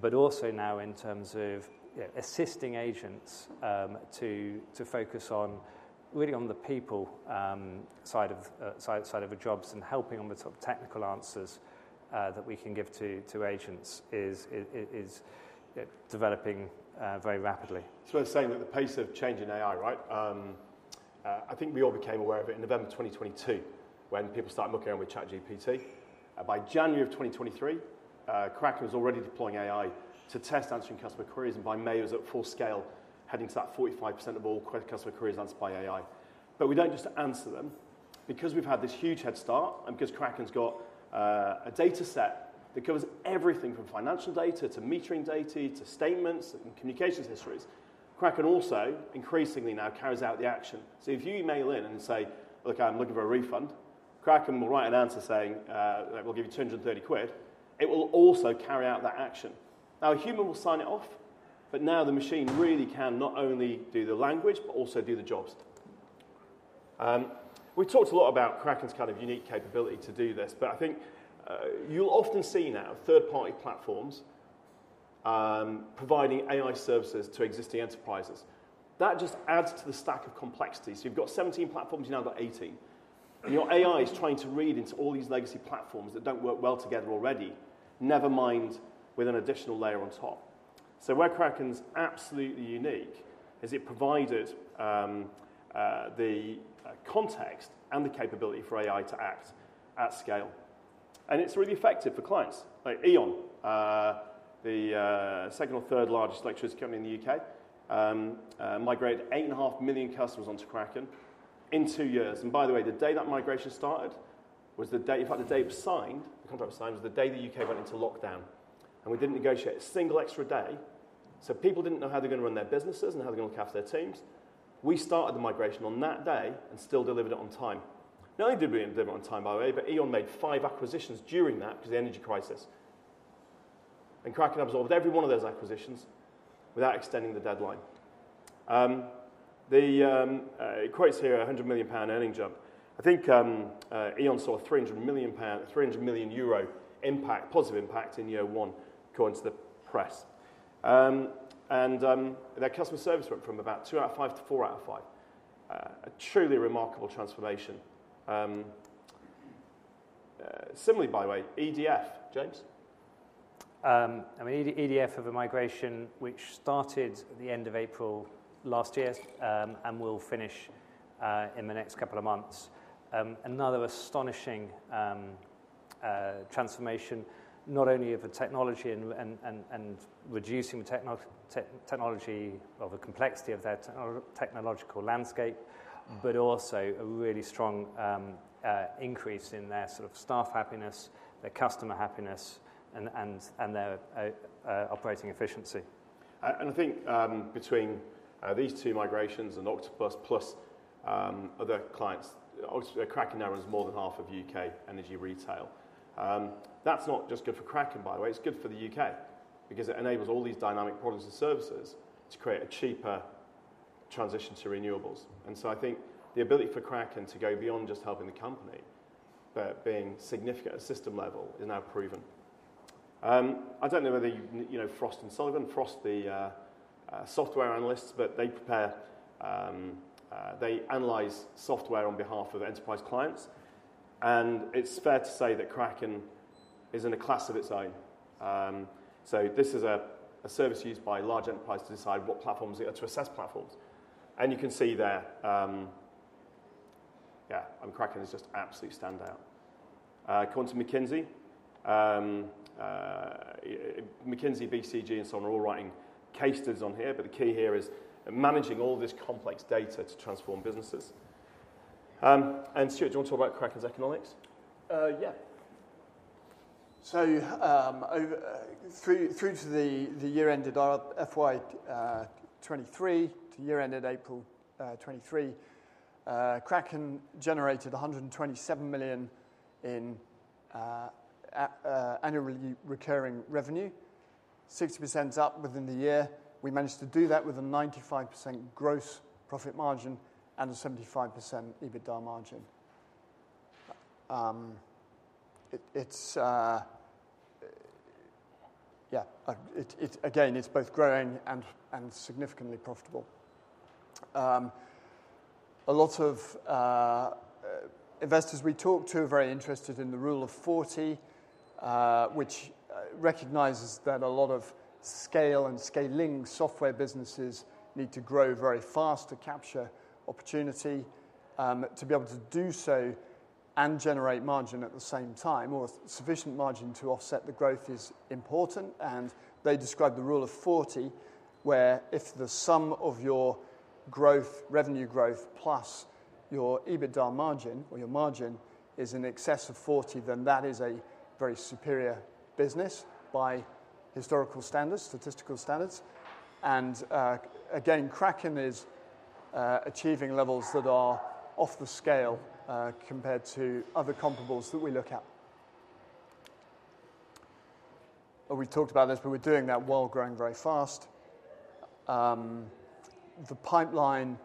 but also now in terms of, yeah, assisting agents, to focus on really on the people side of the jobs, and helping on the sort of technical answers that we can give to agents is developing very rapidly. It's worth saying that the pace of change in AI, right? I think we all became aware of it in November 2022, when people started mucking around with ChatGPT. By January of 2023, Kraken was already deploying AI to test answering customer queries, and by May, it was at full scale, heading to that 45% of all customer queries answered by AI. But we don't just answer them. Because we've had this huge head start, and because Kraken's got a data set that covers everything from financial data, to metering data, to statements and communications histories, Kraken also increasingly now carries out the action. So if you email in and say, "Look, I'm looking for a refund," Kraken will write an answer saying that we'll give you 230 quid. It will also carry out that action. Now, a human will sign it off, but now the machine really can not only do the language, but also do the jobs. We talked a lot about Kraken's kind of unique capability to do this, but I think you'll often see now third-party platforms providing AI services to existing enterprises. That just adds to the stack of complexity. So you've got 17 platforms, you now got 18, and your AI is trying to read into all these legacy platforms that don't work well together already, never mind with an additional layer on top. So where Kraken's absolutely unique, is it provided the context and the capability for AI to act at scale, and it's really effective for clients. Like E.ON, the second or third largest electricity company in the UK, migrated 8.5 million customers onto Kraken in 2 years. And by the way, the day that migration started was the day, in fact, the day it was signed, the contract was signed, was the day the UK went into lockdown, and we didn't negotiate a single extra day. So people didn't know how they're going to run their businesses and how they're going to look after their teams. We started the migration on that day and still delivered it on time. Not only did we deliver it on time, by the way, but E.ON made 5 acquisitions during that because of the energy crisis, and Kraken absorbed every one of those acquisitions without extending the deadline. It quotes here a 100 million pound earnings jump. I think, E.ON saw a 300 million impact, positive impact in year one, according to the press. And, their customer service went from about 2 out of 5 to 4 out of 5. A truly remarkable transformation. Similarly, by the way, EDF. James? I mean, EDF have a migration which started at the end of April last year, and will finish in the next couple of months. Another astonishing transformation, not only of the technology and reducing the complexity of their technological landscape, but also a really strong increase in their sort of staff happiness, their customer happiness, and their operating efficiency. I think, between these two migrations and Octopus plus other clients, obviously, Kraken now runs more than half of UK energy retail. That's not just good for Kraken, by the way, it's good for the UK because it enables all these dynamic products and services to create a cheaper transition to renewables. And so I think the ability for Kraken to go beyond just helping the company, but being significant at system level, is now proven. I don't know whether you, you know, Frost & Sullivan, the software analysts, but they analyze software on behalf of enterprise clients, and it's fair to say that Kraken is in a class of its own. So this is a service used by large enterprises to decide what platforms to assess. You can see there, Kraken is just absolute standout. According to McKinsey, BCG, and so on, are all writing case studies on here, but the key here is managing all this complex data to transform businesses. Stuart, do you want to talk about Kraken's economics? Yeah. So, over through to the year ended FY 2023 to year ended April 2023, Kraken generated GBP 127 million in annually recurring revenue. 60% up within the year. We managed to do that with a 95% gross profit margin and a 75% EBITDA margin. It's... yeah, it again, it's both growing and significantly profitable. A lot of investors we talk to are very interested in the Rule of 40, which recognizes that a lot of scale and scaling software businesses need to grow very fast to capture opportunity. To be able to do so and generate margin at the same time, or sufficient margin to offset the growth, is important, and they describe the Rule of 40, where if the sum of your growth, revenue growth, plus your EBITDA margin, or your margin, is in excess of 40, then that is a very superior business by historical standards, statistical standards. And, again, Kraken is achieving levels that are off the scale, compared to other comparables that we look at. Well, we talked about this, but we're doing that while growing very fast. The pipeline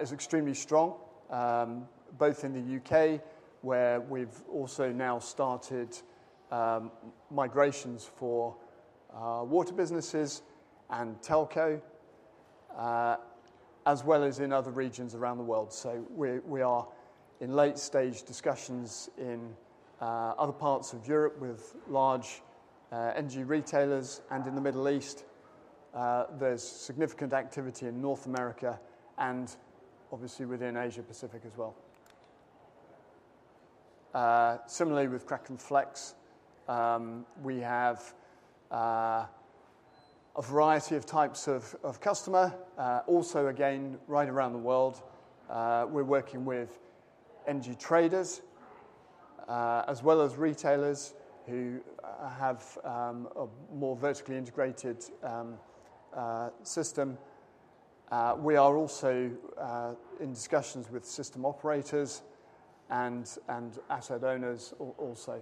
is extremely strong, both in the UK, where we've also now started migrations for water businesses and telco, as well as in other regions around the world. So we are in late stage discussions in other parts of Europe with large energy retailers and in the Middle East. There's significant activity in North America and obviously within Asia Pacific as well. Similarly with Kraken Flex, we have a variety of types of customer also again right around the world. We're working with energy traders as well as retailers who have a more vertically integrated system. We are also in discussions with system operators and asset owners also.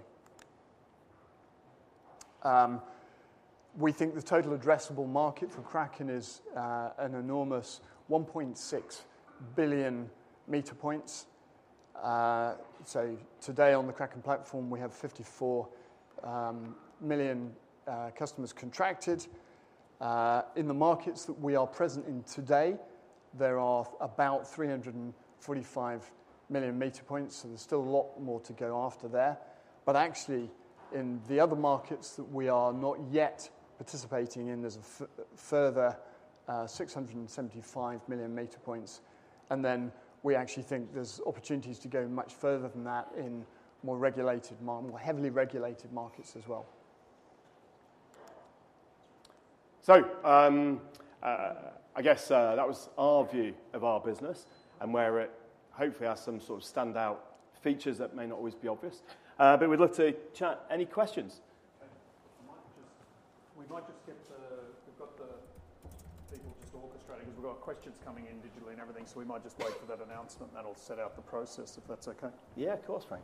We think the total addressable market for Kraken is an enormous 1.6 billion meter points. So today on the Kraken platform, we have 54 million customers contracted. In the markets that we are present in today, there are about 345 million meter points, so there's still a lot more to go after there. But actually, in the other markets that we are not yet participating in, there's a further 675 million meter points. And then we actually think there's opportunities to go much further than that in more heavily regulated markets as well. So, I guess, that was our view of our business and where it hopefully has some sort of standout features that may not always be obvious. But we'd love to chat. Any questions? Okay. We might just, we might just get the, we've got the people just orchestrating because we've got questions coming in digitally and everything, so we might just wait for that announcement. That'll set out the process, if that's okay. Yeah, of course, Frank.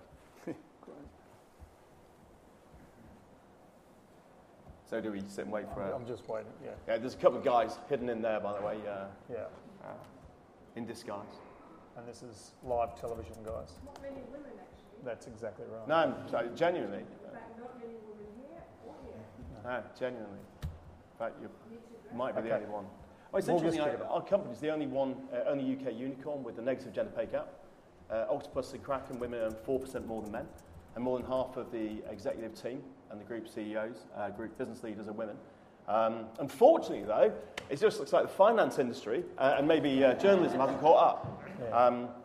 Great. So do we just sit and wait for it? I'm just waiting, yeah. Yeah, there's a couple of guys hidden in there, by the way. Yeah... in disguise. This is live television, guys. Not many women, actually. That's exactly right. No, genuinely. In fact, not many women here or here. Genuinely. In fact, you- You need to bring- Might be the only one. More generally- Our company is the only one, only UK unicorn with a negative gender pay gap. Octopus and Kraken women earn 4% more than men, and more than half of the executive team and the group CEOs, group business leaders are women. Unfortunately, though, it just looks like the finance industry, and maybe, journalism hasn't caught up.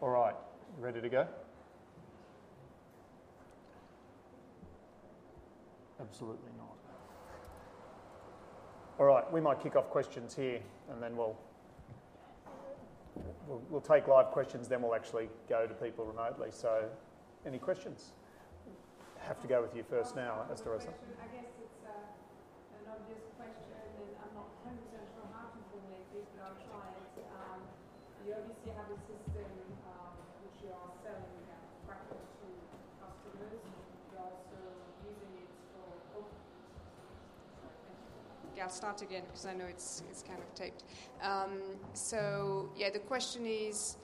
All right. You ready to go? Absolutely not. All right, we might kick off questions here, and then we'll take live questions, then we'll actually go to people remotely. So any questions? Have to go with you first now, Esther Rosa. I guess it's an obvious question, and I'm not 100% sure how to form it, but I'll try it. You obviously have a system which you are selling Kraken to customers. The question is,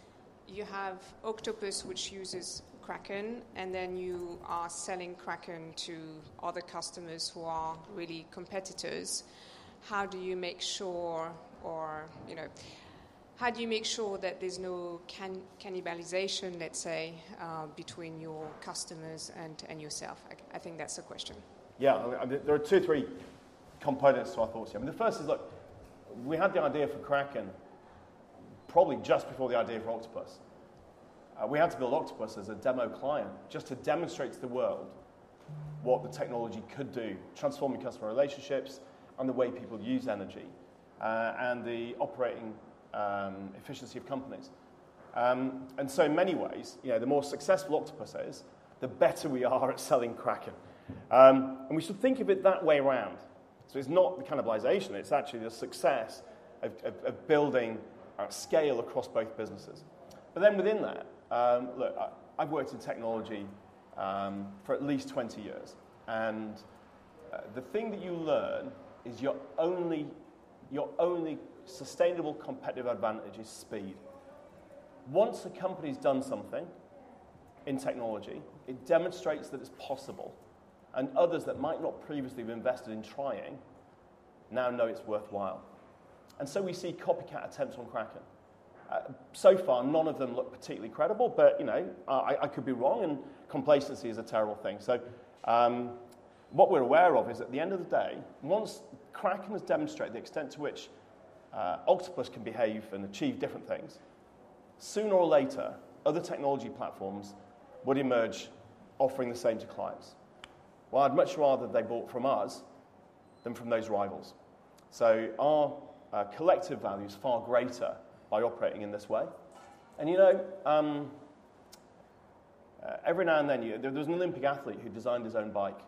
you have Octopus, which uses Kraken, and then you are selling Kraken to other customers who are really competitors. How do you make sure or, you know, how do you make sure that there's no cannibalization, let's say, between your customers and yourself? I think that's the question. Yeah, I mean, there are two, three components to our thoughts here. I mean, the first is, look, we had the idea for Kraken probably just before the idea for Octopus. We had to build Octopus as a demo client just to demonstrate to the world what the technology could do, transforming customer relationships and the way people use energy, and the operating efficiency of companies. And so in many ways, you know, the more successful Octopus is, the better we are at selling Kraken. And we should think of it that way around. So it's not the cannibalization, it's actually the success of building our scale across both businesses. But then within that... Look, I've worked in technology for at least 20 years, and the thing that you learn is your only sustainable competitive advantage is speed. Once a company's done something in technology, it demonstrates that it's possible, and others that might not previously have invested in trying, now know it's worthwhile. And so we see copycat attempts on Kraken. So far, none of them look particularly credible, but, you know, I could be wrong, and complacency is a terrible thing. So, what we're aware of is, at the end of the day, once Kraken has demonstrated the extent to which Octopus can behave and achieve different things, sooner or later, other technology platforms would emerge offering the same to clients. Well, I'd much rather they bought from us than from those rivals. So our collective value is far greater by operating in this way. And, you know, every now and then, there was an Olympic athlete who designed his own bike.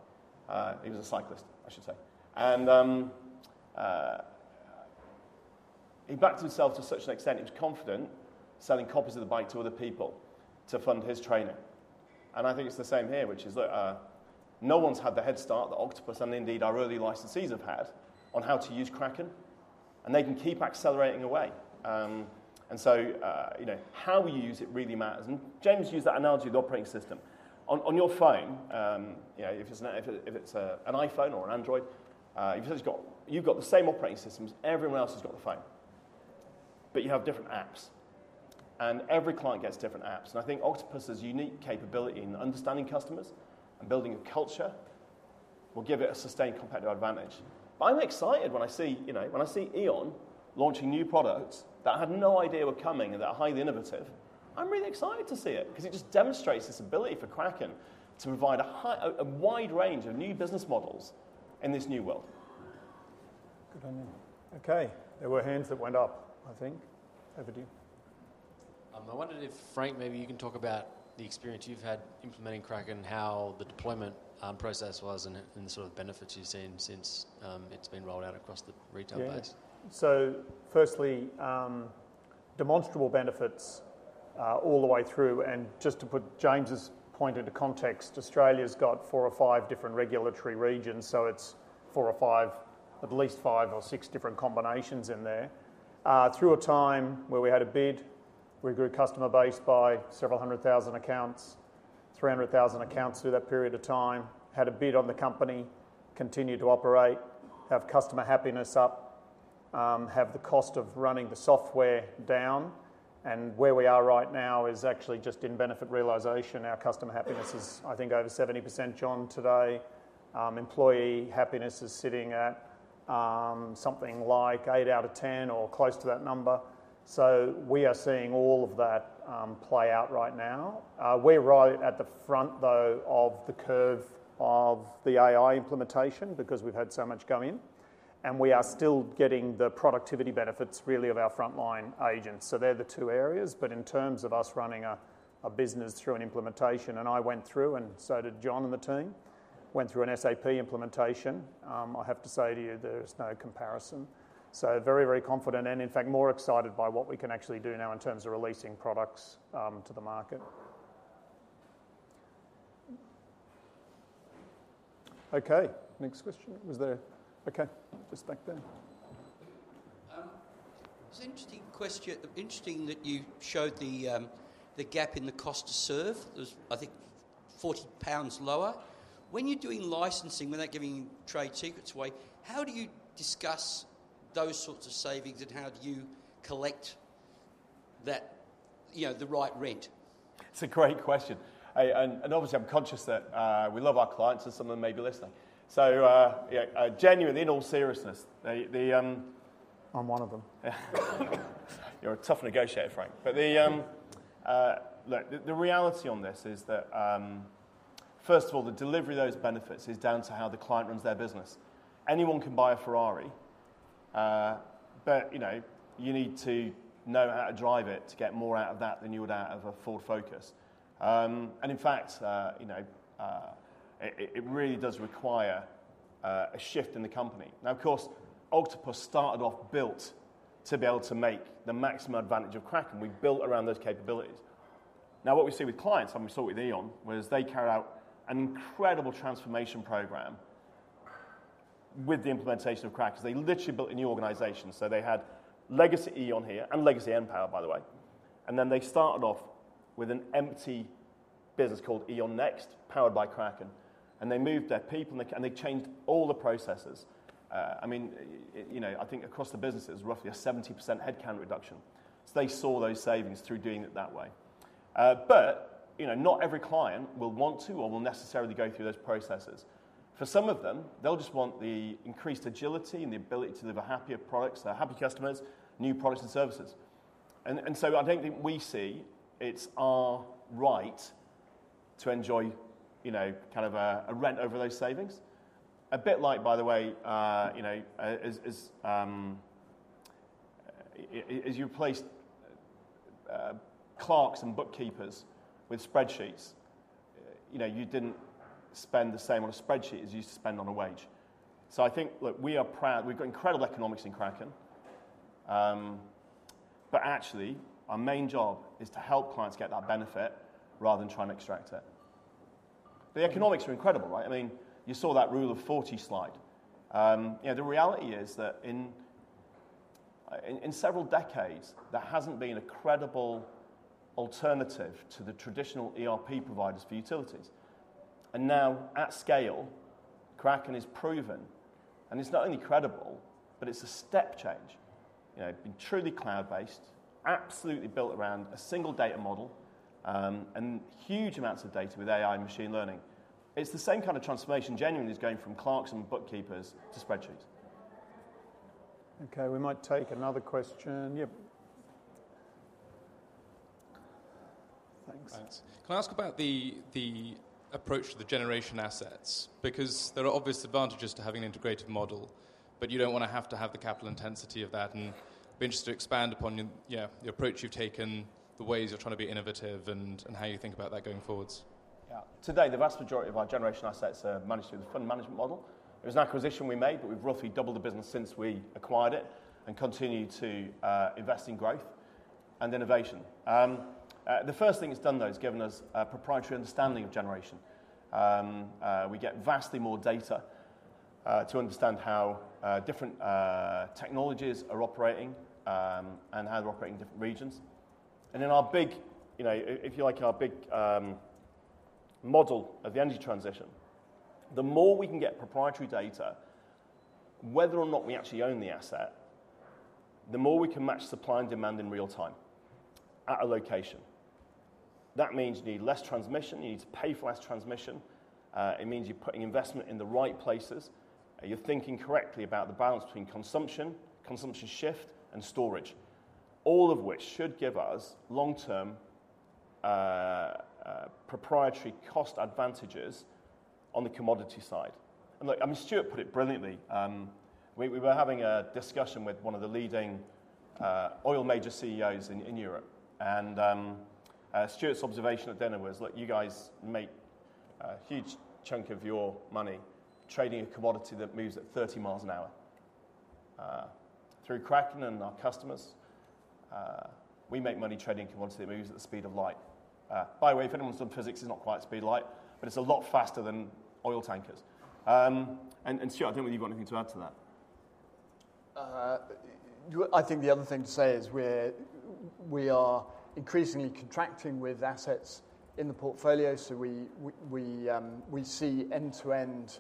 He was a cyclist, I should say. And he backed himself to such an extent, he was confident selling copies of the bike to other people to fund his training. And I think it's the same here, which is look, no one's had the head start that Octopus, and indeed our early licensees have had, on how to use Kraken, and they can keep accelerating away. And so, you know, how we use it really matters. And James used that analogy of the operating system. On your phone, you know, if it's an iPhone or an Android, you've got the same operating system as everyone else who's got a phone, but you have different apps, and every client gets different apps. I think Octopus' unique capability in understanding customers and building a culture will give it a sustained competitive advantage. I'm excited when I see, you know, when I see E.ON launching new products that I had no idea were coming and that are highly innovative. I'm really excited to see it because it just demonstrates this ability for Kraken to provide a wide range of new business models in this new world. Good on you. Okay, there were hands that went up, I think. Over to you. I wondered if, Frank, maybe you can talk about the experience you've had implementing Kraken, how the deployment process was and the sort of benefits you've seen since it's been rolled out across the retail base? Yeah. So firstly, demonstrable benefits all the way through, and just to put James's point into context, Australia's got four or five different regulatory regions, so it's four or five, at least five or six different combinations in there. Through a time where we had a bid, we grew customer base by several hundred thousand accounts, 300,000 accounts through that period of time, had a bid on the company, continued to operate, have customer happiness up, have the cost of running the software down. And where we are right now is actually just in benefit realization. Our customer happiness is, I think, over 70%, Jon, today. Employee happiness is sitting at something like 8 out of 10 or close to that number. So we are seeing all of that play out right now. We're right at the front, though, of the curve of the AI implementation because we've had so much come in, and we are still getting the productivity benefits, really, of our frontline agents. So they're the two areas, but in terms of us running a business through an implementation, and I went through, and so did Jon and the team, went through an SAP implementation. I have to say to you, there is no comparison. So very, very confident and in fact, more excited by what we can actually do now in terms of releasing products to the market. Okay, next question. Was there... Okay, just back there. It's an interesting question. Interesting that you showed the, the gap in the cost to serve. It was, I think, 40 pounds lower. When you're doing licensing, without giving trade secrets away, how do you discuss those sorts of savings, and how do you collect that, you know, the right rent? It's a great question. And obviously, I'm conscious that we love our clients, and some of them may be listening. So, yeah, genuine, in all seriousness, the- I'm one of them. You're a tough negotiator, Frank. Thanks. But... Look, the reality on this is that, first of all, the delivery of those benefits is down to how the client runs their business. Anyone can buy a Ferrari, but, you know, you need to know how to drive it to get more out of that than you would out of a Ford Focus. And in fact, you know, it really does require a shift in the company. Now, of course, Octopus started off built to be able to make the maximum advantage of Kraken. We built around those capabilities. Now, what we see with clients, and we saw it with E.ON, was they carry out an incredible transformation program with the implementation of Kraken. They literally built a new organization. So they had legacy E.ON here and legacy npower, by the way, and then they started off with an empty business called E.ON Next, powered by Kraken, and they moved their people, and they changed all the processes. I mean, you know, I think across the business, it's roughly a 70% headcount reduction. So they saw those savings through doing it that way. But, you know, not every client will want to or will necessarily go through those processes. For some of them, they'll just want the increased agility and the ability to deliver happier products to their happy customers, new products and services. And so I don't think we see it's our right to enjoy, you know, kind of a rent over those savings. A bit like, by the way, you know, as you replace clerks and bookkeepers with spreadsheets, you know, you didn't spend the same on a spreadsheet as you used to spend on a wage. So I think, look, we are proud. We've got incredible economics in Kraken, but actually, our main job is to help clients get that benefit rather than trying to extract it. The economics are incredible, right? I mean, you saw that Rule of 40 slide. You know, the reality is that in several decades, there hasn't been a credible alternative to the traditional ERP providers for utilities. And now, at scale, Kraken is proven, and it's not only credible, but it's a step change. You know, truly cloud-based, absolutely built around a single data model, and huge amounts of data with AI and machine learning. It's the same kind of transformation, genuinely, as going from clerks and bookkeepers to spreadsheets. Okay, we might take another question. Yep. Thanks. Can I ask about the approach to the generation assets? Because there are obvious advantages to having an integrated model, but you don't wanna have to have the capital intensity of that, and I'd be interested to expand upon your, yeah, the approach you've taken, the ways you're trying to be innovative, and how you think about that going forwards. Yeah. Today, the vast majority of our generation assets are managed through the fund management model. It was an acquisition we made, but we've roughly doubled the business since we acquired it and continue to invest in growth and innovation. The first thing it's done, though, is given us a proprietary understanding of generation. We get vastly more data to understand how different technologies are operating, and how they operate in different regions. And in our big, you know, if you like, in our big model of the energy transition, the more we can get proprietary data, whether or not we actually own the asset, the more we can match supply and demand in real time at a location. That means you need less transmission, you need to pay for less transmission, it means you're putting investment in the right places, you're thinking correctly about the balance between consumption, consumption shift, and storage. All of which should give us long-term proprietary cost advantages on the commodity side. And look, I mean, Stuart put it brilliantly. We were having a discussion with one of the leading oil major CEOs in Europe, and Stuart's observation at dinner was, "Look, you guys make a huge chunk of your money trading a commodity that moves at 30 miles an hour." Through Kraken and our customers, we make money trading a commodity that moves at the speed of light. By the way, if anyone's done physics, it's not quite speed of light, but it's a lot faster than oil tankers. And Stuart, I don't know whether you've got anything to add to that. I think the other thing to say is we are increasingly contracting with assets in the portfolio, so we see end-to-end.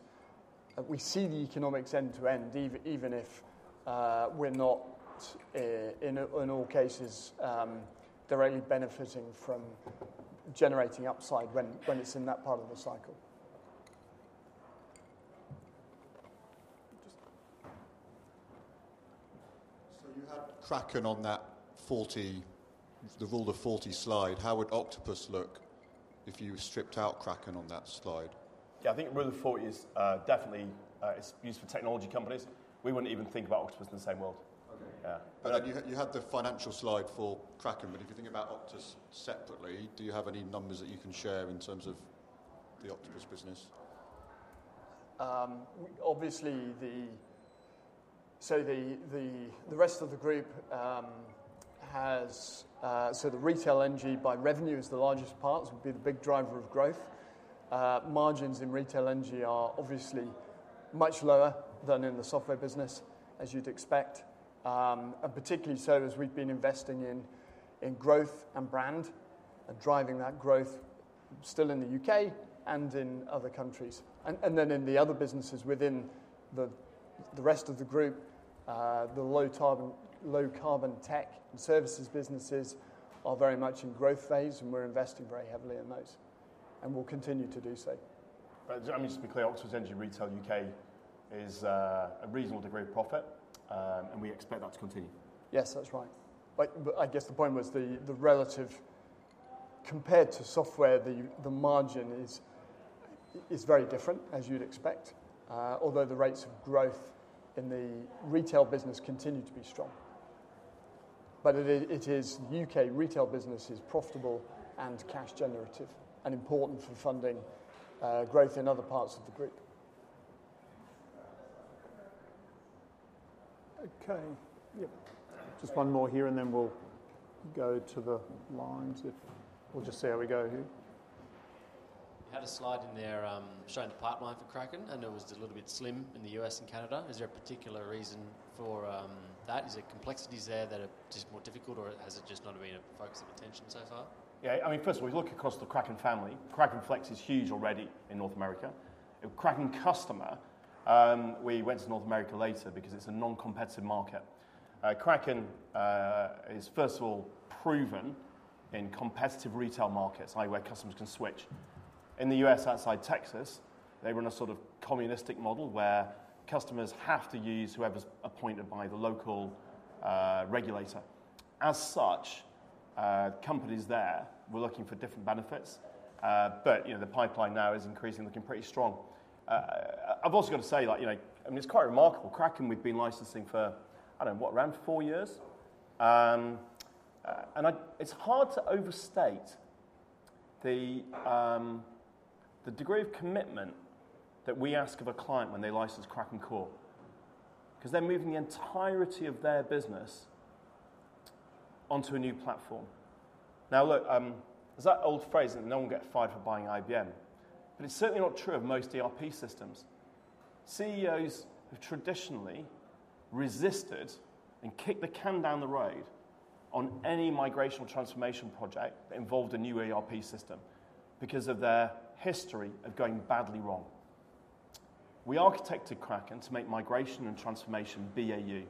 We see the economics end to end, even if we're not in all cases directly benefiting from generating upside when it's in that part of the cycle. Just- So you had Kraken on that 40, the Rule of 40 slide. How would Octopus look if you stripped out Kraken on that slide? Yeah, I think Rule of 40 is definitely, it's used for technology companies. We wouldn't even think about Octopus in the same world. Okay. Yeah. But then you had the financial slide for Kraken, but if you think about Octopus separately, do you have any numbers that you can share in terms of the Octopus business? Obviously, the rest of the group has the retail energy by revenue as the largest part, would be the big driver of growth. Margins in retail energy are obviously much lower than in the software business, as you'd expect, and particularly so as we've been investing in growth and brand, and driving that growth still in the UK and in other countries. Then in the other businesses within the rest of the group, the low carbon tech and services businesses are very much in growth phase, and we're investing very heavily in those, and we'll continue to do so. But just to be clear, Octopus Energy Retail UK is a reasonable degree of profit, and we expect that to continue. Yes, that's right. But I guess the point was the relative, compared to software, the margin is very different, as you'd expect, although the rates of growth in the retail business continue to be strong. But it is. The UK retail business is profitable and cash generative, and important for funding growth in other parts of the group. Okay. Yep, just one more here, and then we'll go to the lines if... We'll just see how we go here. You had a slide in there showing the pipeline for Kraken, and it was a little bit slim in the U.S. and Canada. Is there a particular reason for that? Is it complexities there that are just more difficult, or has it just not been a focus of attention so far? Yeah, I mean, first of all, if you look across the Kraken family, Kraken Flex is huge already in North America. Kraken Customer, we went to North America later because it's a non-competitive market. Kraken is first of all proven in competitive retail markets, like where customers can switch. In the US, outside Texas, they run a sort of communistic model where customers have to use whoever's appointed by the local regulator. As such, companies there were looking for different benefits, but you know, the pipeline now is increasingly looking pretty strong. I've also got to say, like, you know, I mean, it's quite remarkable, Kraken, we've been licensing for, I don't know what, around four years? and I... It's hard to overstate the degree of commitment that we ask of a client when they license Kraken Core, 'cause they're moving the entirety of their business onto a new platform. Now look, there's that old phrase that no one will get fired for buying IBM, but it's certainly not true of most ERP systems. CEOs have traditionally resisted and kicked the can down the road on any migration or transformation project that involved a new ERP system because of their history of going badly wrong. We architected Kraken to make migration and transformation BAU,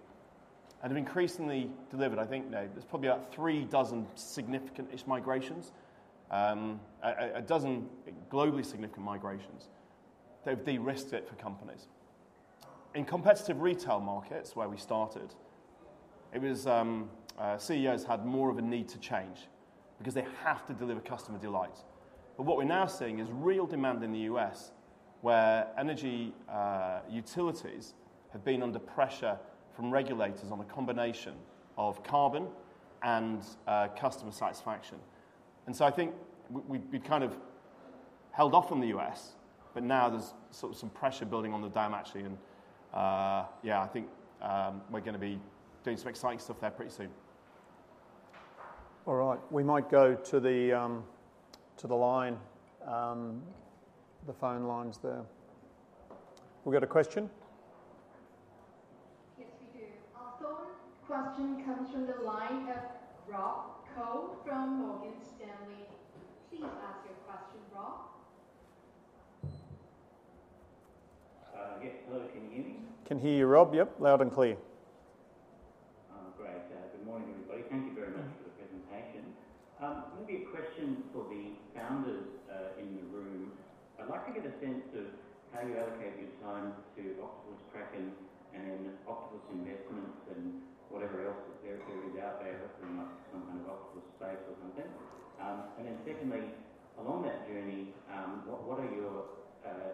and have increasingly delivered, I think, there's probably about 36 significant-ish migrations, 12 globally significant migrations. They've de-risked it for companies. In competitive retail markets, where we started, it was CEOs had more of a need to change because they have to deliver customer delight. But what we're now seeing is real demand in the U.S., where energy utilities have been under pressure from regulators on a combination of carbon and customer satisfaction. And so I think we've kind of held off on the U.S., but now there's sort of some pressure building on the dam, actually, and yeah, I think we're gonna be doing some exciting stuff there pretty soon. All right. We might go to the line, the phone lines there. We've got a question? Yes, we do. Our third question comes from the line of Rob Koh from Morgan Stanley. Please ask your question, Rob. Yes, hello, can you hear me? Can hear you, Rob. Yep, loud and clear. Great. Good morning, everybody. Thank you very much for the presentation. Maybe a question for the founders in the room. I'd like to get a sense of how you allocate your time to Octopus Kraken and Octopus Investments and whatever else is out there, some kind of Octopus space or something. And then secondly, along that journey, what are your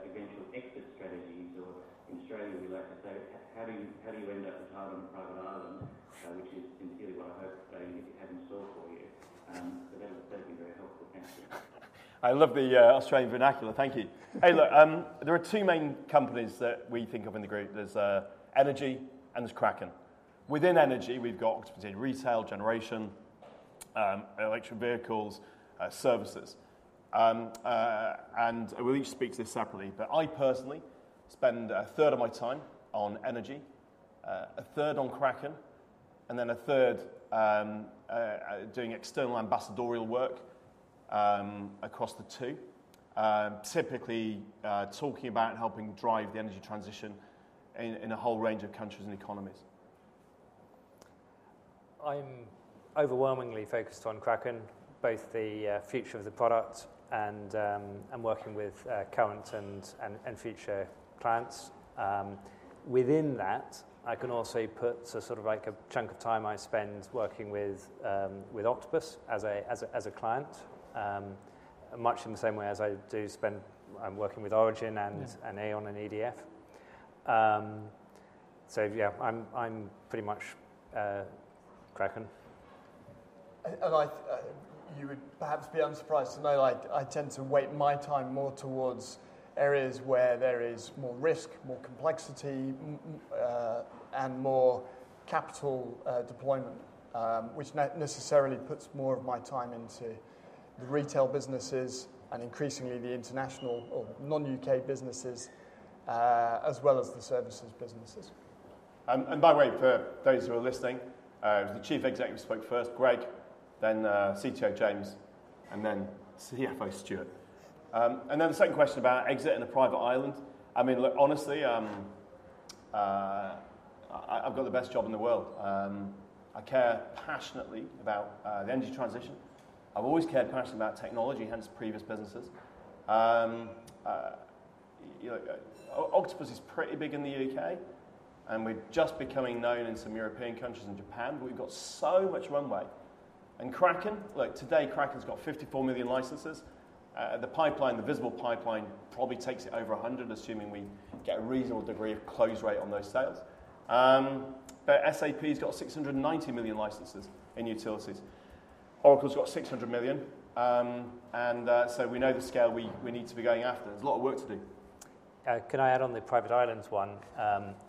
eventual exit strategies, or in Australia, we like to say, how do you end up retired on a private island? Which is sincerely what I hope if it hasn't sold for you. But that would certainly be very helpful. Thank you. I love the Australian vernacular. Thank you. Hey, look, there are two main companies that we think of in the group. There's Energy and there's Kraken. Within Energy, we've got Octopus in retail, generation, electric vehicles, services. We'll each speak to this separately, but I personally spend a third of my time on Energy, a third on Kraken, and then a third doing external ambassadorial work across the two, typically talking about helping drive the energy transition in a whole range of countries and economies. I'm overwhelmingly focused on Kraken, both the future of the product and working with current and future clients. Within that, I can also put sort of like a chunk of time I spend working with Octopus as a client, much in the same way as I do spend... I'm working with Origin and E.ON and EDF. So yeah, I'm pretty much Kraken. I, you would perhaps be unsurprised to know, I tend to weigh my time more towards areas where there is more risk, more complexity, and more capital deployment, which necessarily puts more of my time into the retail businesses and increasingly the international or non-UK businesses, as well as the services businesses. By the way, for those who are listening, the chief executive spoke first, Greg, then CTO, James, and then CFO, Stuart. And then the second question about exiting a private island. I mean, look, honestly, I've got the best job in the world. I care passionately about the energy transition. I've always cared passionately about technology, hence previous businesses. You know, Octopus is pretty big in the UK, and we're just becoming known in some European countries and Japan, but we've got so much runway. And Kraken, look, today, Kraken's got 54 million licenses. The pipeline, the visible pipeline, probably takes it over 100, assuming we get a reasonable degree of close rate on those sales. But SAP's got 690 million licenses in utilities. Oracle's got 600 million, and so we know the scale we need to be going after. There's a lot of work to do. Can I add on the private islands one?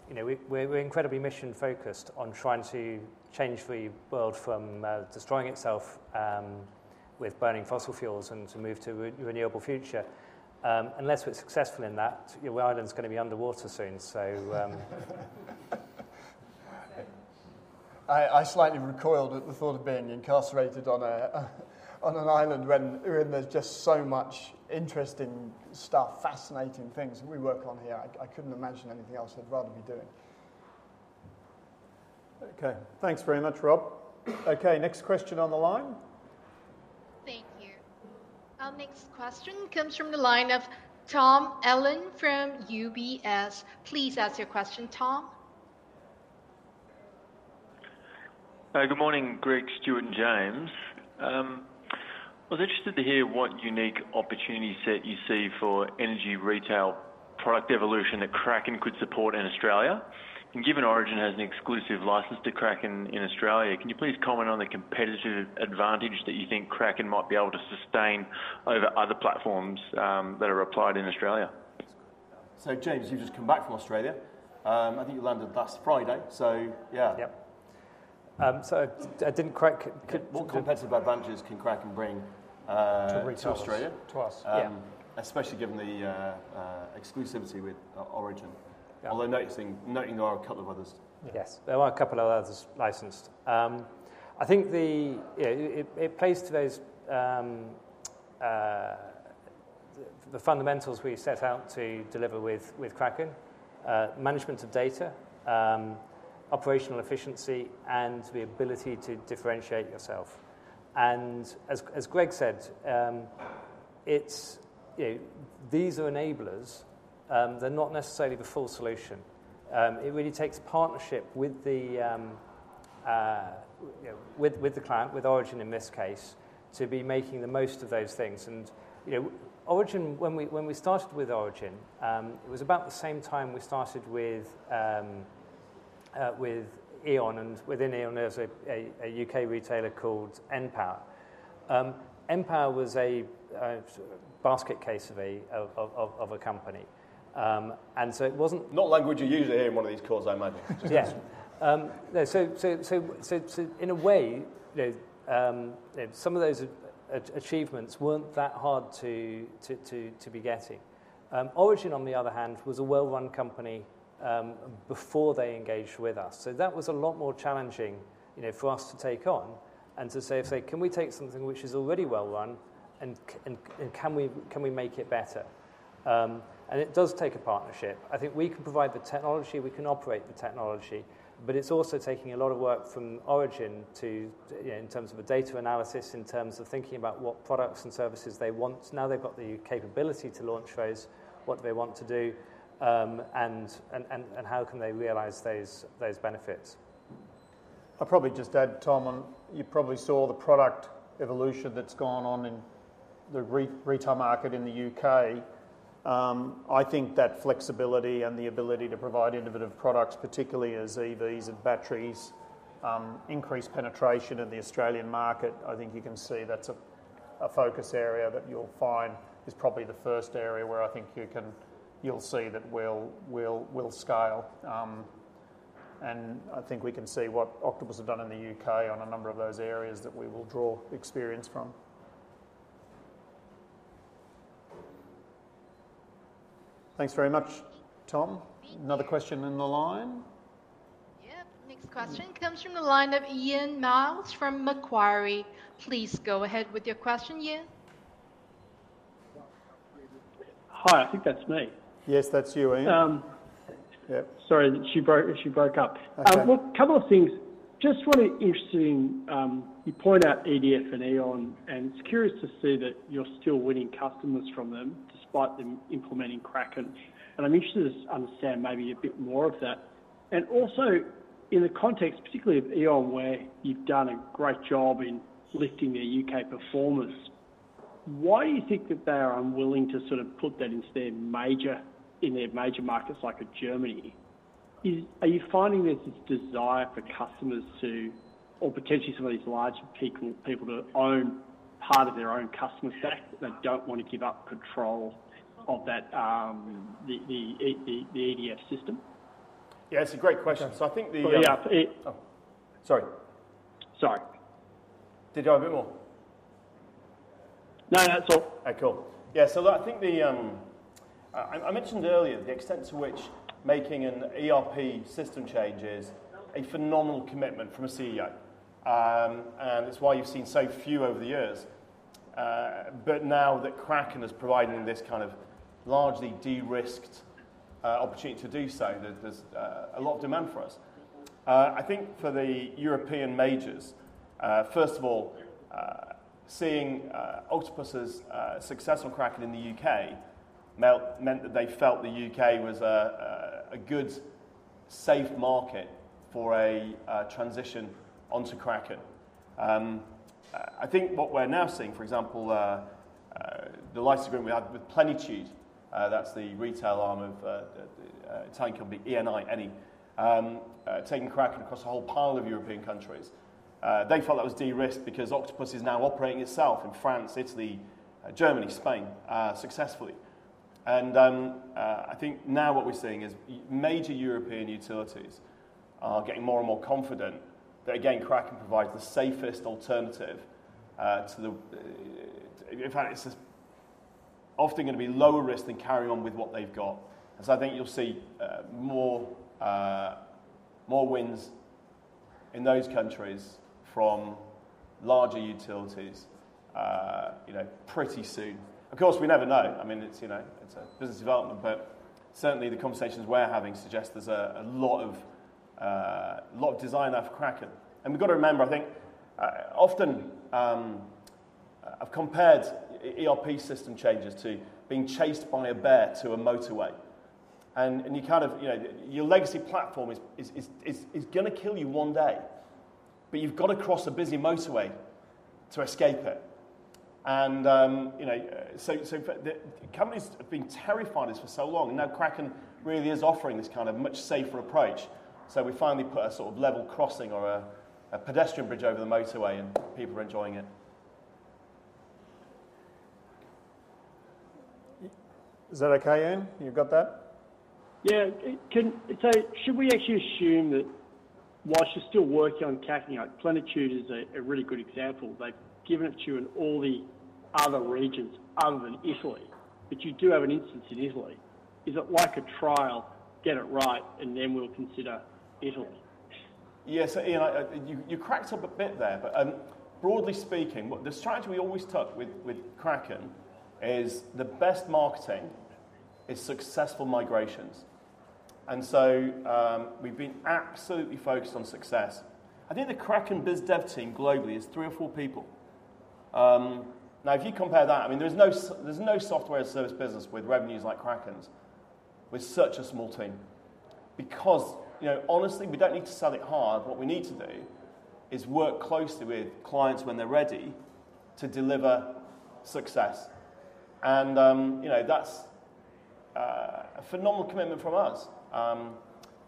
You know, we, we're incredibly mission-focused on trying to change the world from destroying itself with burning fossil fuels and to move to a renewable future. Unless we're successful in that, your island's gonna be underwater soon. So, I slightly recoiled at the thought of being incarcerated on an island when there's just so much interesting stuff, fascinating things we work on here. I couldn't imagine anything else I'd rather be doing. Okay, thanks very much, Rob. Okay, next question on the line. Thank you. Our next question comes from the line of Tom Allen from UBS. Please ask your question, Tom. Good morning, Greg, Stuart, and James. I was interested to hear what unique opportunity set you see for energy retail product evolution that Kraken could support in Australia. Given Origin has an exclusive license to Kraken in Australia, can you please comment on the competitive advantage that you think Kraken might be able to sustain over other platforms that are applied in Australia?... So James, you've just come back from Australia. I think you landed last Friday, so yeah. Yep. So I didn't quite... What competitive advantages can Kraken bring? To retail- To Australia? To us, yeah. Especially given the exclusivity with Origin. Yeah. Although noting there are a couple of others. Yes, there are a couple of others licensed. I think yeah, it plays to those fundamentals we set out to deliver with Kraken: management of data, operational efficiency, and the ability to differentiate yourself. And as Greg said, it's, you know, these are enablers, they're not necessarily the full solution. It really takes a partnership with, you know, with the client, with Origin in this case, to be making the most of those things. And, you know, Origin, when we started with Origin, it was about the same time we started with E.ON, and within E.ON, there's a UK retailer called npower. Npower was a basket case of a company. And so it wasn't- Not language you usually hear in one of these calls, I imagine. Yes. No, so in a way, you know, some of those achievements weren't that hard to be getting. Origin, on the other hand, was a well-run company before they engaged with us, so that was a lot more challenging, you know, for us to take on and to say: Can we take something which is already well run, and can we make it better? And it does take a partnership. I think we can provide the technology, we can operate the technology, but it's also taking a lot of work from Origin to, you know, in terms of data analysis, in terms of thinking about what products and services they want. Now they've got the capability to launch those, what they want to do, and how can they realize those benefits. I'll probably just add, Tom, on... You probably saw the product evolution that's gone on in the retail market in the UK. I think that flexibility and the ability to provide innovative products, particularly as EVs and batteries increase penetration in the Australian market, I think you can see that's a focus area that you'll find is probably the first area where I think you'll see that we'll scale. And I think we can see what Octopus have done in the UK on a number of those areas that we will draw experience from. Thanks very much, Tom. Another question in the line? Yep. Next question comes from the line of Ian Myles from Macquarie. Please go ahead with your question, Ian. Hi, I think that's me. Yes, that's you, Ian. Um- Yeah. Sorry, she broke up. Okay. Well, a couple of things. Just really interesting, you point out EDF and E.ON, and it's curious to see that you're still winning customers from them despite them implementing Kraken, and I'm interested to understand maybe a bit more of that. And also, in the context, particularly of E.ON, where you've done a great job in lifting their UK performance, why do you think that they are unwilling to sort of put that into their major, in their major markets like Germany? Are you finding there's this desire for customers to, or potentially some of these larger people to own part of their own customer base, they don't want to give up control of that, the EDF system? Yeah, it's a great question. So I think the- Yeah, it- Oh, sorry. Sorry. Did you have a bit more? No, no, that's all. Okay, cool. Yeah, so look, I think I mentioned earlier the extent to which making an ERP system change is a phenomenal commitment from a CEO. And it's why you've seen so few over the years. But now that Kraken is providing this kind of largely de-risked opportunity to do so, there's a lot of demand for us. I think for the European majors, first of all, seeing Octopus's success on Kraken in the UK meant that they felt the UK was a good, safe market for a transition onto Kraken. I think what we're now seeing, for example, the license agreement we had with Plenitude, that's the retail arm of Italian company, Eni, taking Kraken across a whole pile of European countries. They felt that was de-risked because Octopus is now operating itself in France, Italy, Germany, Spain, successfully. And I think now what we're seeing is major European utilities are getting more and more confident that, again, Kraken provides the safest alternative, to the... In fact, it's just often gonna be lower risk than carrying on with what they've got. And so I think you'll see, more, more wins in those countries from larger utilities, you know, pretty soon. Of course, we never know. I mean, it's, you know, it's a business development, but certainly the conversations we're having suggest there's a, a lot of, a lot of demand for Kraken. And we've got to remember, I think, often, I've compared ERP system changes to being chased by a bear to a motorway. You kind of, you know, your legacy platform is gonna kill you one day, but you've got to cross a busy motorway to escape it. You know, so the companies have been terrified of this for so long. Now, Kraken really is offering this kind of much safer approach. So we finally put a sort of level crossing or a pedestrian bridge over the motorway, and people are enjoying it.... Is that okay, Ian? You've got that? Yeah, it can, so should we actually assume that while she's still working on capping out, Plenitude is a really good example. They've given it to you in all the other regions other than Italy, but you do have an instance in Italy. Is it like a trial, get it right, and then we'll consider Italy? Yes, so, Ian, you cracked up a bit there, but broadly speaking, the strategy we always took with Kraken is the best marketing is successful migrations. And so, we've been absolutely focused on success. I think the Kraken biz dev team globally is three or four people. Now, if you compare that, I mean, there's no software as service business with revenues like Kraken's, with such a small team. Because, you know, honestly, we don't need to sell it hard. What we need to do is work closely with clients when they're ready to deliver success. And, you know, that's a phenomenal commitment from us.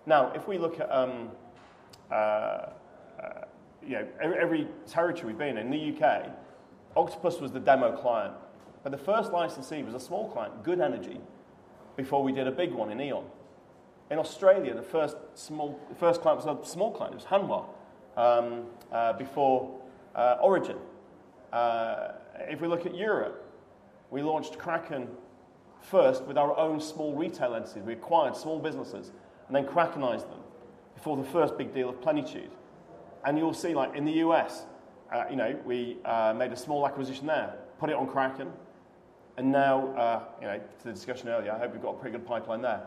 Now, if we look at, you know, every territory we've been in, the UK, Octopus was the demo client, but the first licensee was a small client, Good Energy, before we did a big one in E.ON. In Australia, the first client was a small client, it was Hanwha, before Origin. If we look at Europe, we launched Kraken first with our own small retail entities. We acquired small businesses and then Krakenized them before the first big deal of Plenitude. And you'll see, like in the US, you know, we made a small acquisition there, put it on Kraken, and now, you know, to the discussion earlier, I hope we've got a pretty good pipeline there.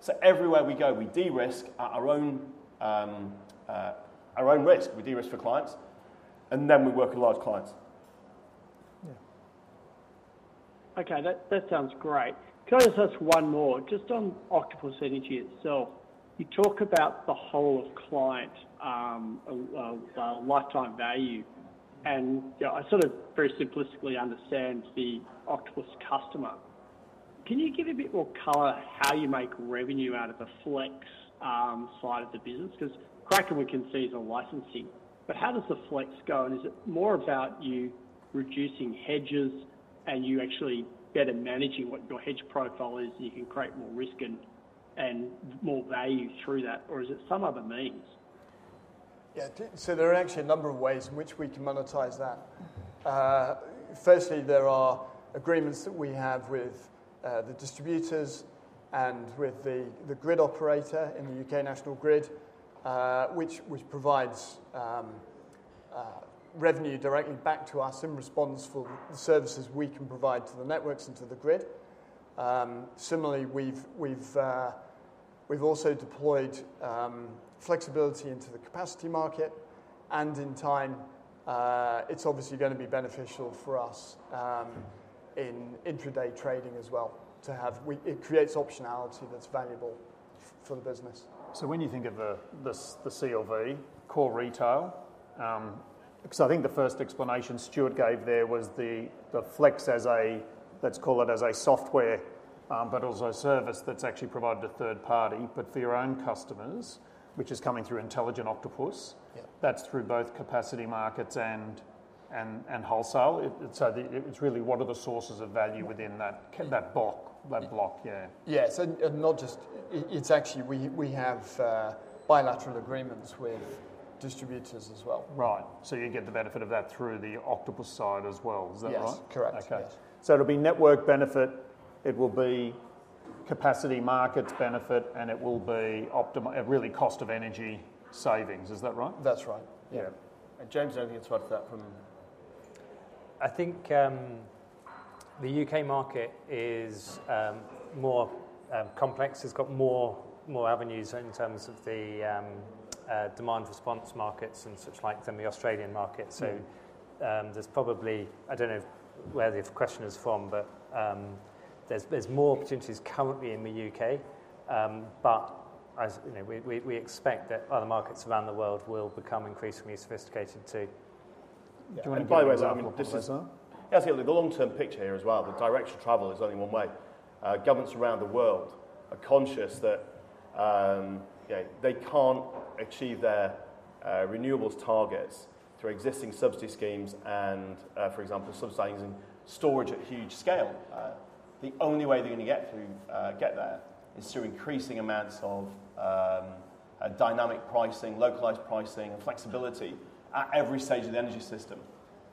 So everywhere we go, we de-risk at our own, our own risk. We de-risk for clients, and then we work with large clients. Yeah. Okay, that, that sounds great. Can I just ask one more, just on Octopus Energy itself. You talk about the whole of client lifetime value, and, you know, I sort of very simplistically understand the Octopus customer. Can you give a bit more color how you make revenue out of the Flex side of the business? 'Cause Kraken we can see is on licensing, but how does the Flex go, and is it more about you reducing hedges, and you actually better managing what your hedge profile is, you can create more risk and, and more value through that, or is it some other means? Yeah, so there are actually a number of ways in which we can monetize that. Firstly, there are agreements that we have with the distributors and with the grid operator in the UK National Grid, which provides revenue directly back to us in response for the services we can provide to the networks and to the grid. Similarly, we've also deployed flexibility into the Capacity Market, and in time, it's obviously gonna be beneficial for us in intraday trading as well, to have-- It creates optionality that's valuable for the business. So when you think of the CLV, core retail, 'cause I think the first explanation Stuart gave there was the flex as a, let's call it as a software, but also a service that's actually provided to third party, but for your own customers, which is coming through Intelligent Octopus. Yeah. That's through both Capacity Markets and wholesale. It's really what are the sources of value within that- Yeah... that block, yeah. Yes, and not just... It's actually, we have bilateral agreements with distributors as well. Right. So you get the benefit of that through the Octopus side as well. Is that right? Yes, correct. Okay. Yes. So it'll be network benefit, it will be Capacity Markets benefit, and it will be really cost of energy savings. Is that right? That's right. Yeah. James, I think it's right for that point. I think the UK market is more complex. It's got more avenues in terms of the demand response markets and such like than the Australian market. Mm. So, there's probably... I don't know where the question is from, but there's more opportunities currently in the UK, but as you know, we expect that other markets around the world will become increasingly sophisticated, too. Do you wanna give an example of that? And by the way, I mean, so the long-term picture here as well, the direction of travel is only one way. Governments around the world are conscious that, you know, they can't achieve their renewables targets through existing subsidy schemes and, for example, subsidizing storage at huge scale. The only way they're gonna get through, get there is through increasing amounts of dynamic pricing, localized pricing, and flexibility at every stage of the energy system.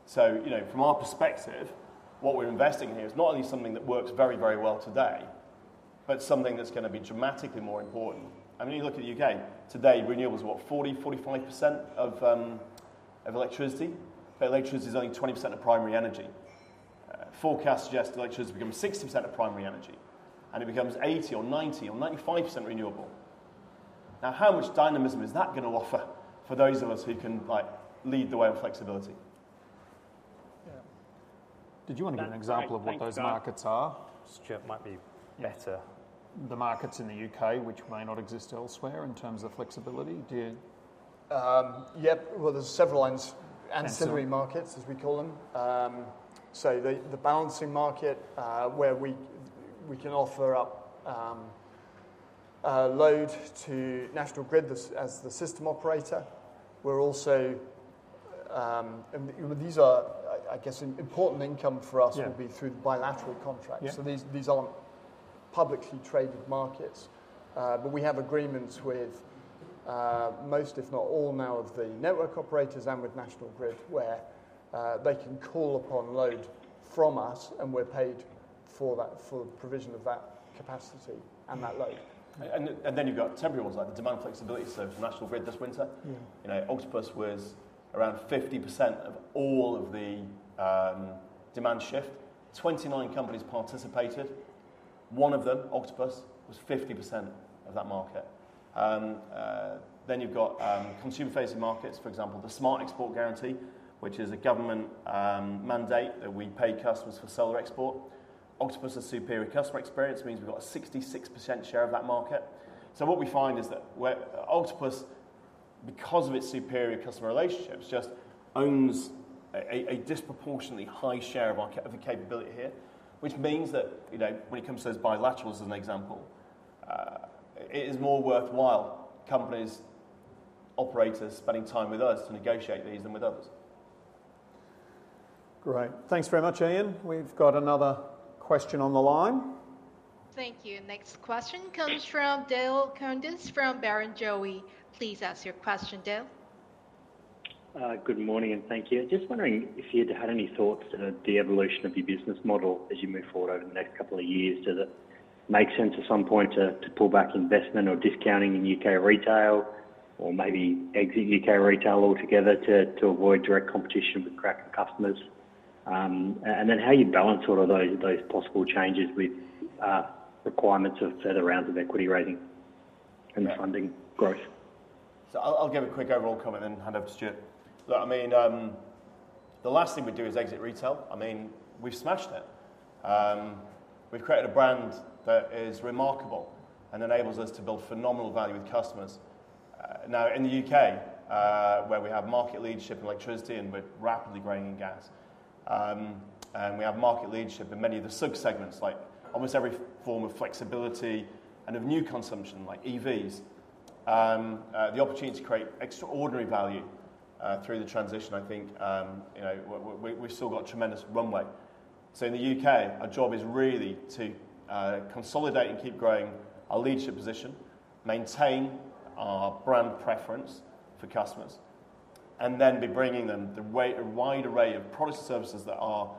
So, you know, from our perspective, what we're investing in here is not only something that works very, very well today, but something that's gonna be dramatically more important. I mean, you look at the UK, today, renewables are what? 40%-45% of electricity, but electricity is only 20% of primary energy. Forecasts suggest electricity is becoming 60% of primary energy, and it becomes 80% or 90% or 95% renewable. Now, how much dynamism is that gonna offer for those of us who can, like, lead the way on flexibility? Yeah. Did you want to give an example of what those markets are? Stuart might be better. The markets in the UK, which may not exist elsewhere in terms of flexibility, do you- Yep. Well, there's several ancillary markets, as we call them. So the Balancing Market, where we can offer up,... load to National Grid as the system operator. We're also, you know, these are, I guess, important income for us- Yeah would be through the bilateral contracts. Yeah. So these aren't publicly traded markets, but we have agreements with most, if not all now, of the network operators and with National Grid, where they can call upon load from us, and we're paid for that, for provision of that capacity and that load. And then you've got temporary ones, like the Demand Flexibility Service for National Grid this winter. Yeah. You know, Octopus was around 50% of all of the demand shift. 29 companies participated. One of them, Octopus, was 50% of that market. Then you've got consumer-facing markets, for example, the Smart Export Guarantee, which is a government mandate that we pay customers for solar export. Octopus, a superior customer experience, means we've got a 66% share of that market. So what we find is that we're-Octopus, because of its superior customer relationships, just owns a disproportionately high share of market, of the capability here, which means that, you know, when it comes to those bilaterals, as an example, it is more worthwhile companies, operators spending time with us to negotiate these than with others. Great. Thanks very much, Ian. We've got another question on the line. Thank you. Next question comes from Dale Koenders, from Barrenjoey. Please ask your question, Dale. Good morning, and thank you. Just wondering if you'd had any thoughts on the evolution of your business model as you move forward over the next couple of years. Does it make sense at some point to pull back investment or discounting in UK retail, or maybe exit UK retail altogether to avoid direct competition with Kraken customers? And then how you balance sort of those possible changes with requirements of further rounds of equity raising and funding growth? So I'll give a quick overall comment and then hand over to Stuart. Look, I mean, the last thing we'd do is exit retail. I mean, we've smashed it. We've created a brand that is remarkable and enables us to build phenomenal value with customers. Now, in the UK, where we have market leadership in electricity, and we're rapidly growing in gas, and we have market leadership in many of the subsegments, like almost every form of flexibility and of new consumption, like EVs. The opportunity to create extraordinary value through the transition, I think, you know, we've still got a tremendous runway. So in the UK, our job is really to consolidate and keep growing our leadership position, maintain our brand preference for customers, and then be bringing them a wide array of products and services that are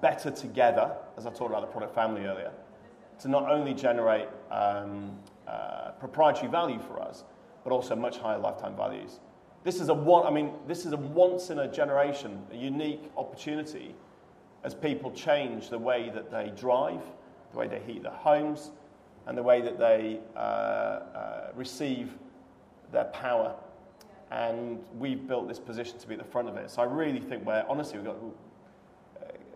better together, as I talked about the product family earlier, to not only generate proprietary value for us, but also much higher lifetime values. This is a—I mean, this is a once in a generation, a unique opportunity as people change the way that they drive, the way they heat their homes, and the way that they receive their power, and we've built this position to be at the front of it. So I really think we're... Honestly, we've got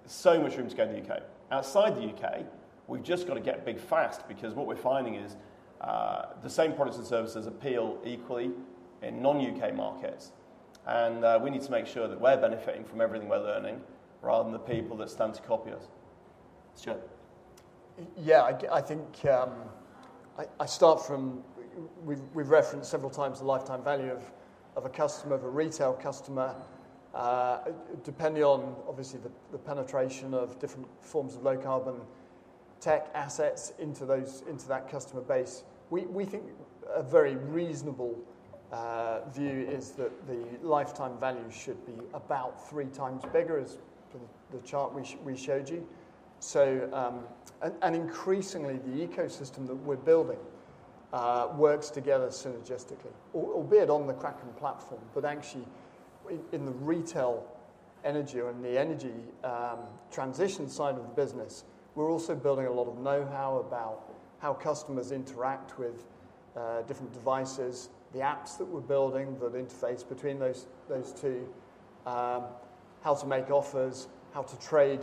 so much room to grow in the UK. Outside the UK, we've just got to get big fast, because what we're finding is, the same products and services appeal equally in non-UK markets, and we need to make sure that we're benefiting from everything we're learning, rather than the people that stand to copy us. Stuart? Yeah, I think I start from... We've referenced several times the lifetime value of a customer, of a retail customer, depending on obviously the penetration of different forms of low carbon tech assets into those, into that customer base. We think a very reasonable view is that the lifetime value should be about three times bigger as per the chart we showed you. So, increasingly, the ecosystem that we're building works together synergistically, albeit on the Kraken platform, but actually, in the retail energy or in the energy transition side of the business, we're also building a lot of know-how about how customers interact with different devices, the apps that we're building that interface between those two, how to make offers, how to trade,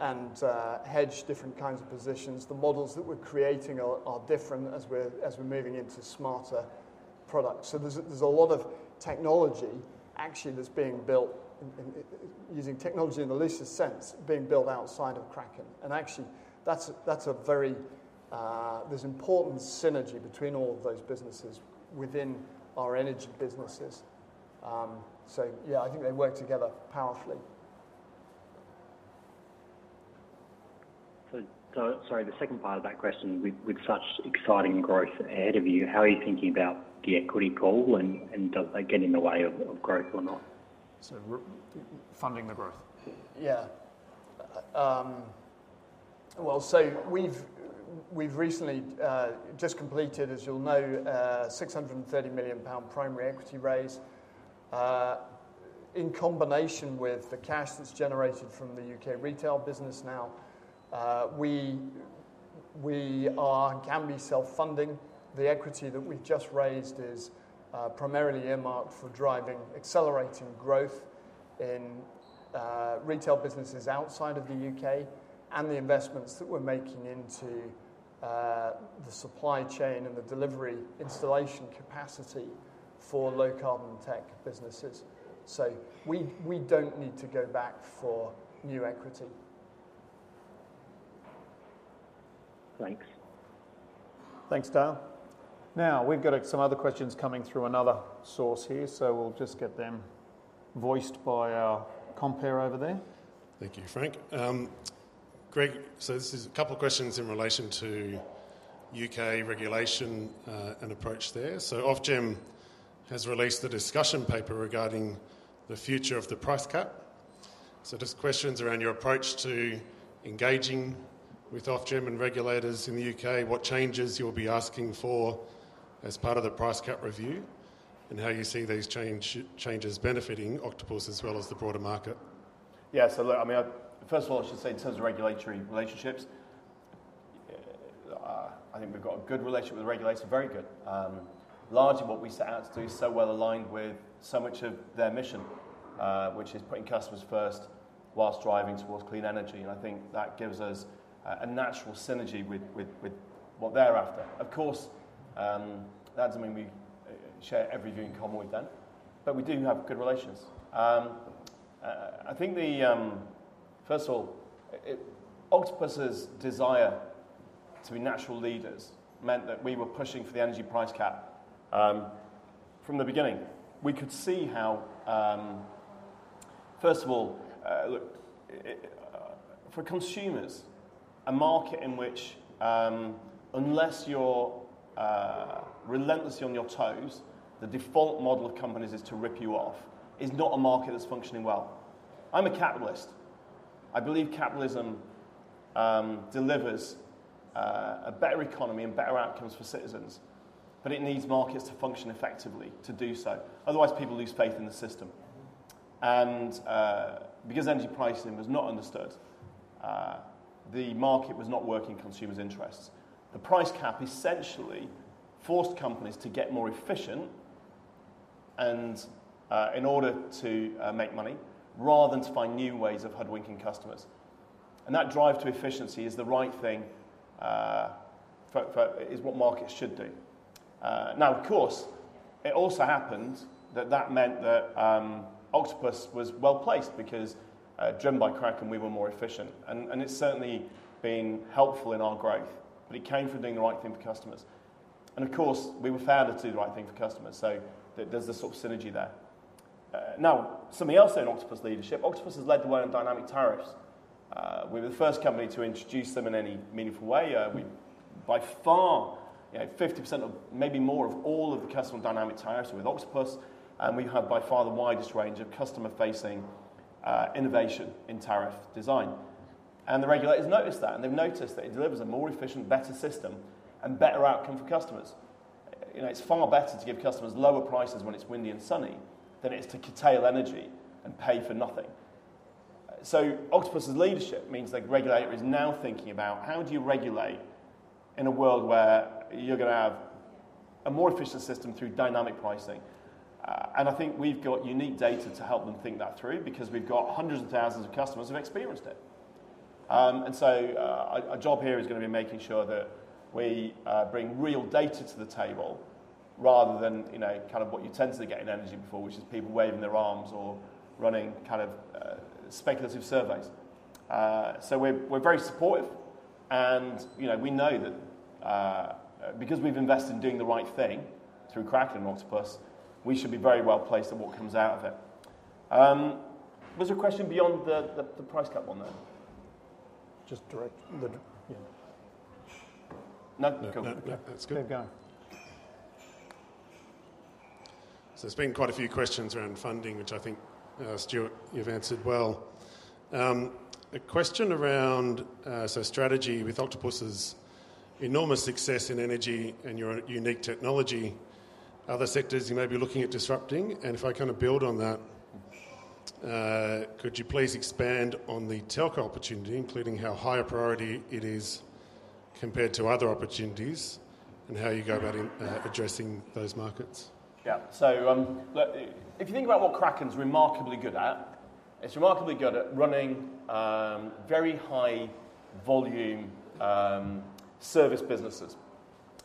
and hedge different kinds of positions. The models that we're creating are different as we're moving into smarter products. So there's a lot of technology actually that's being built, using technology in the loosest sense, being built outside of Kraken. And actually, that's a very important synergy between all of those businesses within our energy businesses. So yeah, I think they work together powerfully. So sorry, the second part of that question, with such exciting growth ahead of you, how are you thinking about the equity call, and does that get in the way of growth or not? So funding the growth. Yeah. Well, so we've, we've recently just completed, as you'll know, a 630 million pound primary equity raise. In combination with the cash that's generated from the UK retail business now, we, we are and can be self-funding. The equity that we've just raised is primarily earmarked for driving, accelerating growth in retail businesses outside of the UK and the investments that we're making into... the supply chain and the delivery installation capacity for low carbon tech businesses. So we don't need to go back for new equity. Thanks. Thanks, Dale. Now, we've got some other questions coming through another source here, so we'll just get them voiced by our compere over there. Thank you, Frank. Greg, so this is a couple of questions in relation to UK regulation and approach there. So Ofgem has released a discussion paper regarding the future of the price cap. So just questions around your approach to engaging with Ofgem and regulators in the UK, what changes you'll be asking for as part of the price cap review, and how you see these changes benefiting Octopus as well as the broader market? Yeah. So look, I mean, first of all, I should say in terms of regulatory relationships, I think we've got a good relationship with the regulator, very good. Largely what we set out to do is so well aligned with so much of their mission, which is putting customers first while driving towards clean energy, and I think that gives us a natural synergy with what they're after. Of course, doesn't mean we share everything in common with them, but we do have good relations. First of all, Octopus' desire to be natural leaders meant that we were pushing for the energy price cap, from the beginning. We could see how, first of all, look, for consumers, a market in which, unless you're, relentlessly on your toes, the default model of companies is to rip you off, is not a market that's functioning well. I'm a capitalist. I believe capitalism, delivers, a better economy and better outcomes for citizens, but it needs markets to function effectively to do so. Otherwise, people lose faith in the system. Because energy pricing was not understood, the market was not working in consumers' interests. The price cap essentially forced companies to get more efficient and, in order to, make money, rather than to find new ways of hoodwinking customers. That drive to efficiency is the right thing, is what markets should do. Now, of course, it also happened that that meant that, Octopus was well-placed because, driven by Kraken, we were more efficient, and, and it's certainly been helpful in our growth, but it came from doing the right thing for customers. Of course, we were founded to do the right thing for customers, so there, there's a sort of synergy there. Now, something else in Octopus leadership, Octopus has led the way on dynamic tariffs. We're the first company to introduce them in any meaningful way. We, by far, you know, 50% of, maybe more of all of the customer dynamic tariffs are with Octopus, and we have by far the widest range of customer-facing, innovation in tariff design. The regulators noticed that, and they've noticed that it delivers a more efficient, better system and better outcome for customers. You know, it's far better to give customers lower prices when it's windy and sunny than it is to curtail energy and pay for nothing. So Octopus's leadership means the regulator is now thinking about how do you regulate in a world where you're gonna have a more efficient system through dynamic pricing? And I think we've got unique data to help them think that through, because we've got hundreds and thousands of customers who've experienced it. And so, our job here is gonna be making sure that we bring real data to the table rather than, you know, kind of what you tend to get in energy before, which is people waving their arms or running kind of speculative surveys. So we're very supportive, and, you know, we know that because we've invested in doing the right thing through Kraken and Octopus, we should be very well placed at what comes out of it. Was there a question beyond the price cap one there? Just direct, the, yeah. No, cool. No, no, that's good. Go. So there's been quite a few questions around funding, which I think, Stuart, you've answered well. A question around, so strategy with Octopus' enormous success in energy and your unique technology, other sectors you may be looking at disrupting, and if I kind of build on that, could you please expand on the telco opportunity, including how high a priority it is compared to other opportunities, and how you go about addressing those markets? Yeah. So, look, if you think about what Kraken's remarkably good at, it's remarkably good at running very high volume service businesses,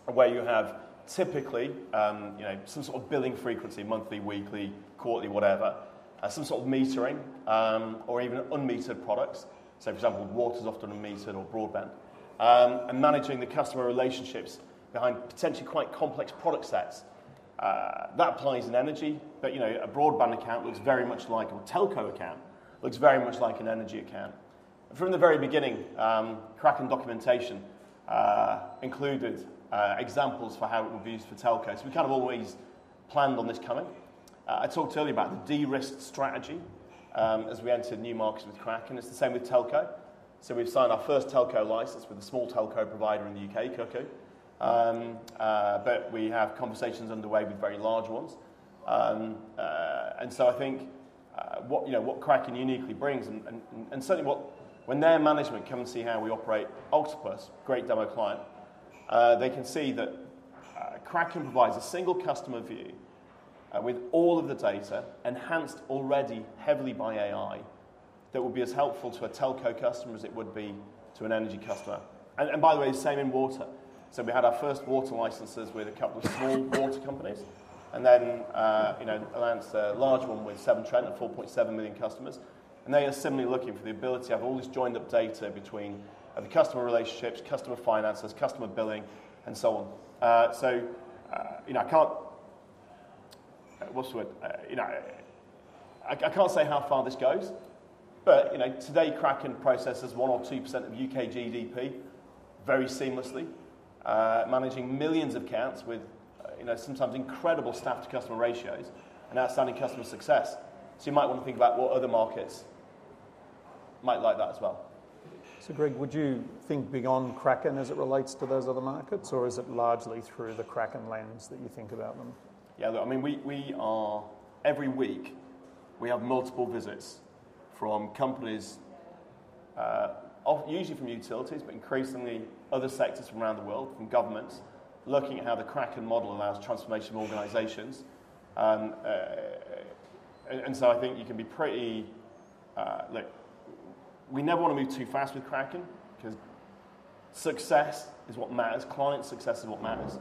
where you have typically, you know, some sort of billing frequency, monthly, weekly, quarterly, whatever, some sort of metering or even unmetered products. So for example, water is often unmetered or broadband. And managing the customer relationships behind potentially quite complex product sets that applies in energy, but, you know, a broadband account looks very much like a telco account, looks very much like an energy account. From the very beginning, Kraken documentation included examples for how it would be used for telco. So we kind of always planned on this coming. I talked earlier about the de-risk strategy as we entered new markets with Kraken, it's the same with telco. So we've signed our first telco license with a small telco provider in the UK, Cuckoo. But we have conversations underway with very large ones. And so I think, you know, what Kraken uniquely brings and, and certainly what—when their management come and see how we operate Octopus, great demo client, they can see that Kraken provides a single customer view, with all of the data enhanced already heavily by AI, that will be as helpful to a telco customer as it would be to an energy customer. And, by the way, same in water. So we had our first water licenses with a couple of small water companies, and then, you know, announced a large one with Severn Trent and 4.7 million customers. They are similarly looking for the ability to have all this joined-up data between the customer relationships, customer finances, customer billing, and so on. So, you know, I can't say how far this goes, but, you know, today, Kraken processes 1% or 2% of UK. GDP very seamlessly, managing millions of accounts with, you know, sometimes incredible staff to customer ratios and outstanding customer success. You might want to think about what other markets might like that as well. So Greg, would you think beyond Kraken as it relates to those other markets, or is it largely through the Kraken lens that you think about them? Yeah, look, I mean, every week, we have multiple visits from companies usually from utilities, but increasingly other sectors from around the world, from governments, looking at how the Kraken model allows transformation of organizations. I think you can be pretty. Look, we never want to move too fast with Kraken, 'cause success is what matters, client success is what matters.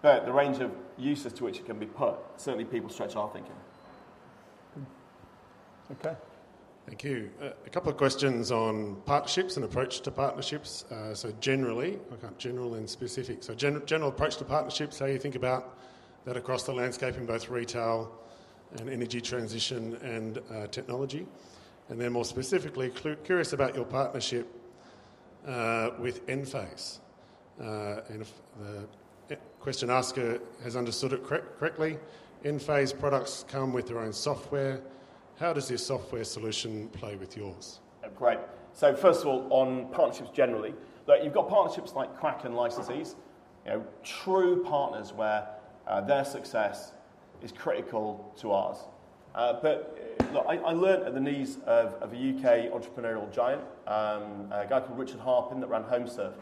But the range of uses to which it can be put, certainly people stretch our thinking. Good. Okay. Thank you. A couple of questions on partnerships and approach to partnerships. So generally, okay, general and specific. So general approach to partnerships, how you think about that across the landscape in both retail and energy transition and technology. And then more specifically, curious about your partnership with Enphase. And if the question asker has understood it correctly, Enphase products come with their own software. How does their software solution play with yours? Oh, great. So first of all, on partnerships generally, look, you've got partnerships like Kraken licensees, you know, true partners where their success is critical to ours. But, look, I learned at the knees of a UK entrepreneurial giant, a guy called Richard Harpin that ran HomeServe.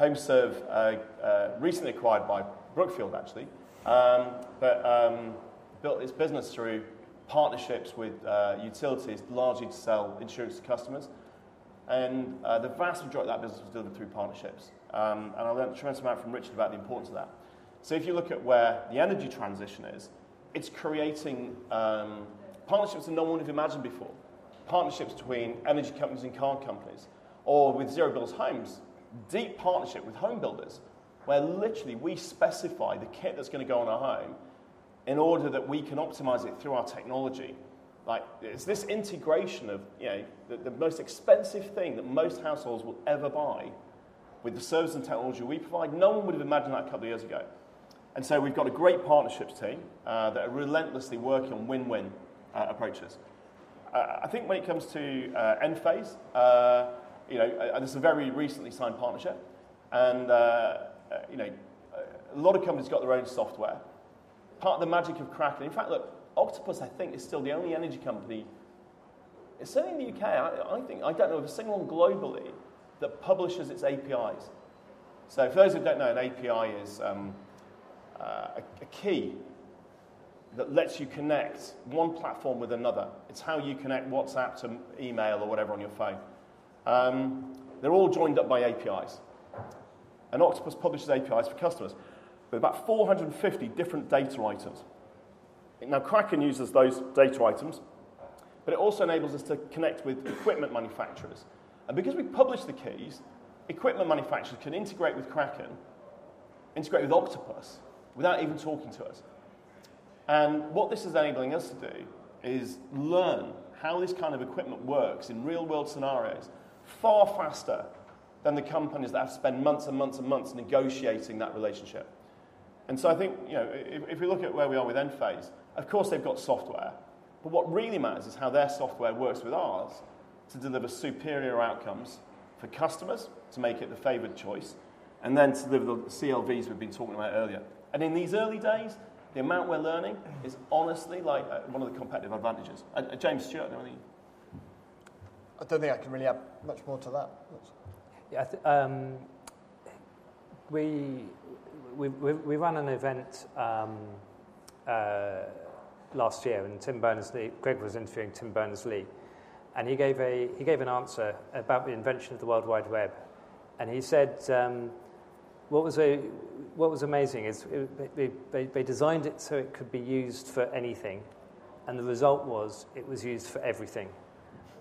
HomeServe, recently acquired by Brookfield, actually, but built his business through partnerships with utilities, largely to sell insurance to customers. And the vast majority of that business was done through partnerships. And I learned a tremendous amount from Richard about the importance of that. So if you look at where the energy transition is, it's creating partnerships that no one had imagined before. Partnerships between energy companies and car companies, or with Zero Bills homes, deep partnership with home builders, where literally we specify the kit that's gonna go on a home in order that we can optimize it through our technology. Like, it's this integration of, you know, the most expensive thing that most households will ever buy with the services and technology we provide. No one would have imagined that a couple of years ago. And so we've got a great partnerships team that are relentlessly working on win-win approaches. I think when it comes to Enphase, you know, and it's a very recently signed partnership, and, you know, a lot of companies got their own software. Part of the magic of Kraken... In fact, look, Octopus, I think, is still the only energy company, certainly in the UK, I think, I don't know of a single one globally that publishes its APIs. So for those who don't know, an API is a key that lets you connect one platform with another. It's how you connect WhatsApp to email or whatever on your phone. They're all joined up by APIs, and Octopus publishes APIs for customers. There are about 450 different data items. Now, Kraken uses those data items, but it also enables us to connect with equipment manufacturers. And because we publish the keys, equipment manufacturers can integrate with Kraken, integrate with Octopus, without even talking to us. What this is enabling us to do is learn how this kind of equipment works in real-world scenarios far faster than the companies that have spent months and months and months negotiating that relationship. So I think, you know, if you look at where we are with Enphase, of course, they've got software, but what really matters is how their software works with ours to deliver superior outcomes for customers, to make it the favored choice, and then to deliver the CLVs we've been talking about earlier. In these early days, the amount we're learning is honestly like one of the competitive advantages. James, Stuart, anything? I don't think I can really add much more to that. Yeah, we ran an event last year, and Tim Berners-Lee—Greg was interviewing Tim Berners-Lee, and he gave an answer about the invention of the World Wide Web. And he said, what was amazing is they designed it so it could be used for anything, and the result was, it was used for everything.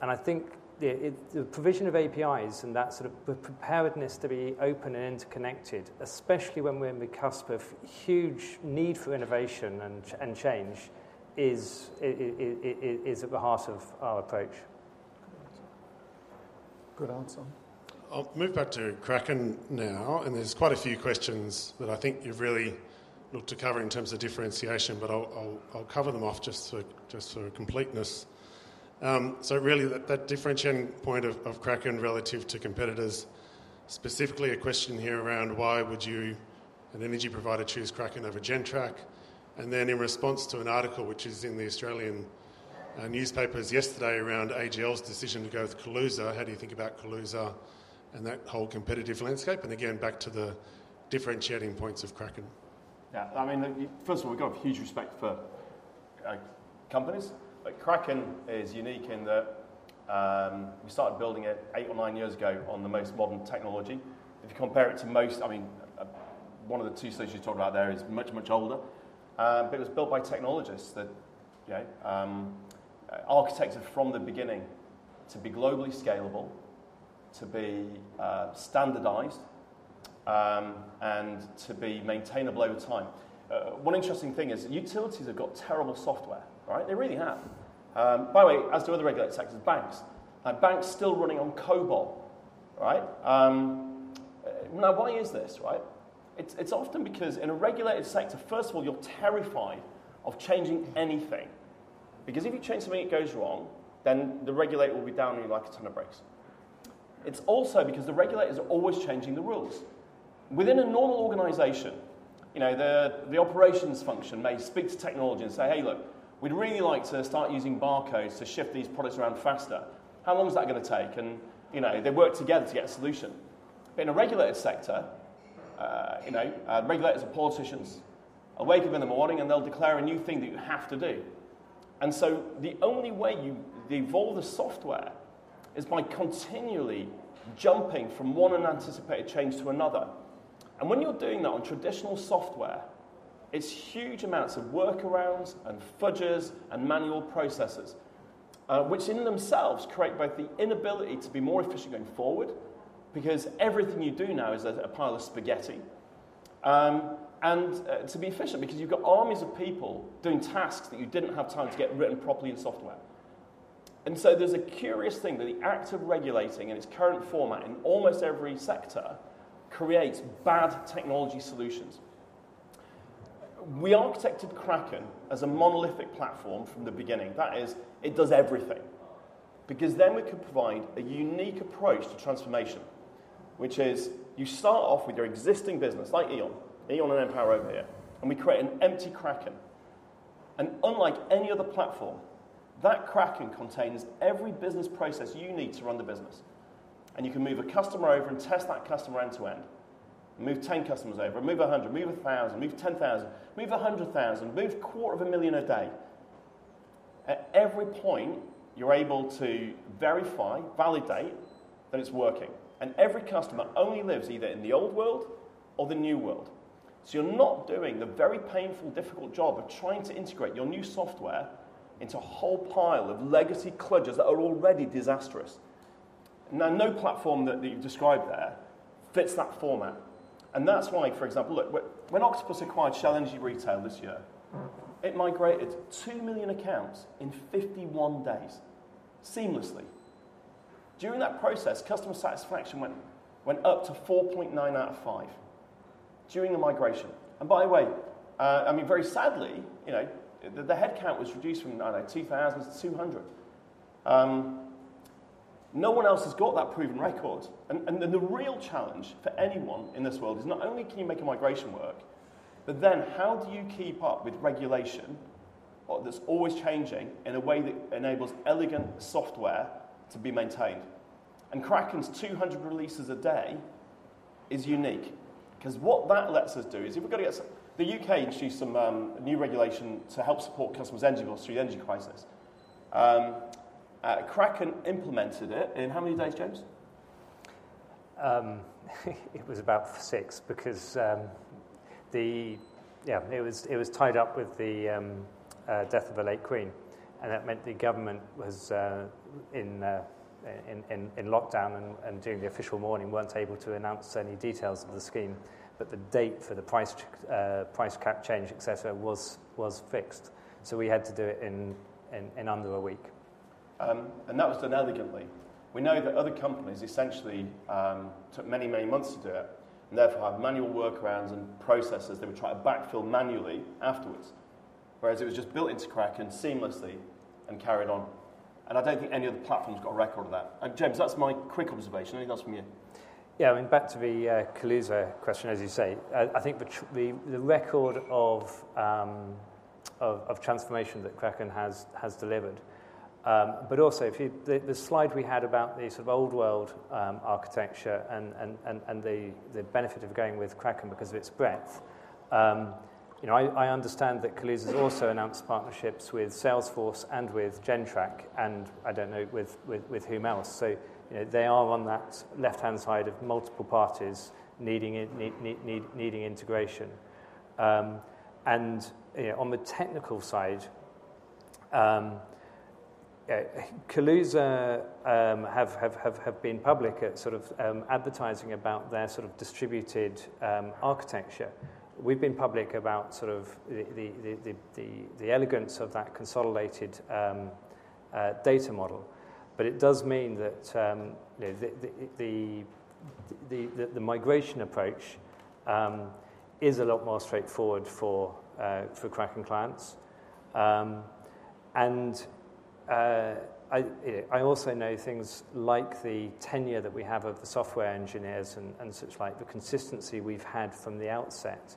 And I think the provision of APIs and that sort of the preparedness to be open and interconnected, especially when we're on the cusp of huge need for innovation and change, is at the heart of our approach. Good answer. I'll move back to Kraken now, and there's quite a few questions that I think you've really looked to cover in terms of differentiation, but I'll cover them off just for completeness. So really, that differentiating point of Kraken relative to competitors, specifically a question here around why would you, an energy provider, choose Kraken over Gentrack? And then in response to an article, which is in the Australian newspapers yesterday around AGL's decision to go with Kaluza. How do you think about Kaluza and that whole competitive landscape? And again, back to the differentiating points of Kraken. Yeah, I mean, first of all, we've got huge respect for companies, but Kraken is unique in that we started building it eight or nine years ago on the most modern technology. If you compare it to most, I mean, one of the two solutions you talked about there is much, much older. But it was built by technologists that, you know, architected from the beginning to be globally scalable, to be standardized, and to be maintainable over time. One interesting thing is, utilities have got terrible software, right? They really have. By the way, as do other regulated sectors, banks. Like banks still running on COBOL, right? Now, why is this, right? It's, it's often because in a regulated sector, first of all, you're terrified of changing anything, because if you change something, it goes wrong, then the regulator will be down on you like a ton of bricks. It's also because the regulators are always changing the rules. Within a normal organization, you know, the operations function may speak to technology and say, "Hey, look, we'd really like to start using barcodes to shift these products around faster. How long is that gonna take?" And, you know, they work together to get a solution. But in a regulated sector, you know, regulators and politicians awake up in the morning, and they'll declare a new thing that you have to do. And so, the only way you evolve the software is by continually jumping from one unanticipated change to another. And when you're doing that on traditional software, it's huge amounts of workarounds, and fudges, and manual processes, which in themselves create both the inability to be more efficient going forward, because everything you do now is a pile of spaghetti. And to be efficient, because you've got armies of people doing tasks that you didn't have time to get written properly in software. And so, there's a curious thing that the act of regulating in its current format, in almost every sector, creates bad technology solutions. We architected Kraken as a monolithic platform from the beginning. That is, it does everything. Because then we can provide a unique approach to transformation, which is, you start off with your existing business, like E.ON, E.ON and npower over here, and we create an empty Kraken. Unlike any other platform, that Kraken contains every business process you need to run the business, and you can move a customer over and test that customer end to end, and move 10 customers over, and move 100, move 1,000, move 10,000, move 100,000, move 250,000 a day. At every point, you're able to verify, validate, that it's working, and every customer only lives either in the old world or the new world. So you're not doing the very painful, difficult job of trying to integrate your new software into a whole pile of legacy kludges that are already disastrous. Now, no platform that you described there fits that format, and that's why, for example, look, when, when Octopus acquired Shell Energy Retail this year, it migrated 2 million accounts in 51 days seamlessly. During that process, customer satisfaction went up to 4.9 out of 5, during the migration. And by the way, I mean, very sadly, you know, the headcount was reduced from around 2,000 to 200. No one else has got that proven record. And the real challenge for anyone in this world is, not only can you make a migration work, but then how do you keep up with regulation that's always changing in a way that enables elegant software to be maintained? And Kraken's 200 releases a day is unique, 'cause what that lets us do is, if we've got to get some... The UK introduced some new regulation to help support customers' energy bills through the energy crisis. Kraken implemented it in how many days, James? It was about 6, because it was tied up with the death of the late Queen, and that meant the government was in lockdown and during the official mourning, weren't able to announce any details of the scheme. But the date for the price cap change, et cetera, was fixed, so we had to do it in under a week. And that was done elegantly. We know that other companies essentially took many, many months to do it, and therefore, had manual workarounds and processes. They would try to backfill manually afterwards, whereas it was just built into Kraken seamlessly and carried on. And I don't think any other platform's got a record of that. And James, that's my quick observation. Anything else from you? Yeah, I mean, back to the Kaluza question, as you say, I think the record of transformation that Kraken has delivered. But also, the slide we had about the sort of old world architecture and the benefit of going with Kraken because of its breadth. You know, I understand that Kaluza's also announced partnerships with Salesforce and with Gentrack, and I don't know with whom else. So, you know, they are on that left-hand side of multiple parties needing it, needing integration. And, you know, on the technical side, Kaluza have been public at sort of advertising about their sort of distributed architecture. We've been public about sort of the elegance of that consolidated data model. But it does mean that, you know, the migration approach is a lot more straightforward for Kraken clients. And I also know things like the tenure that we have of the software engineers and such like, the consistency we've had from the outset,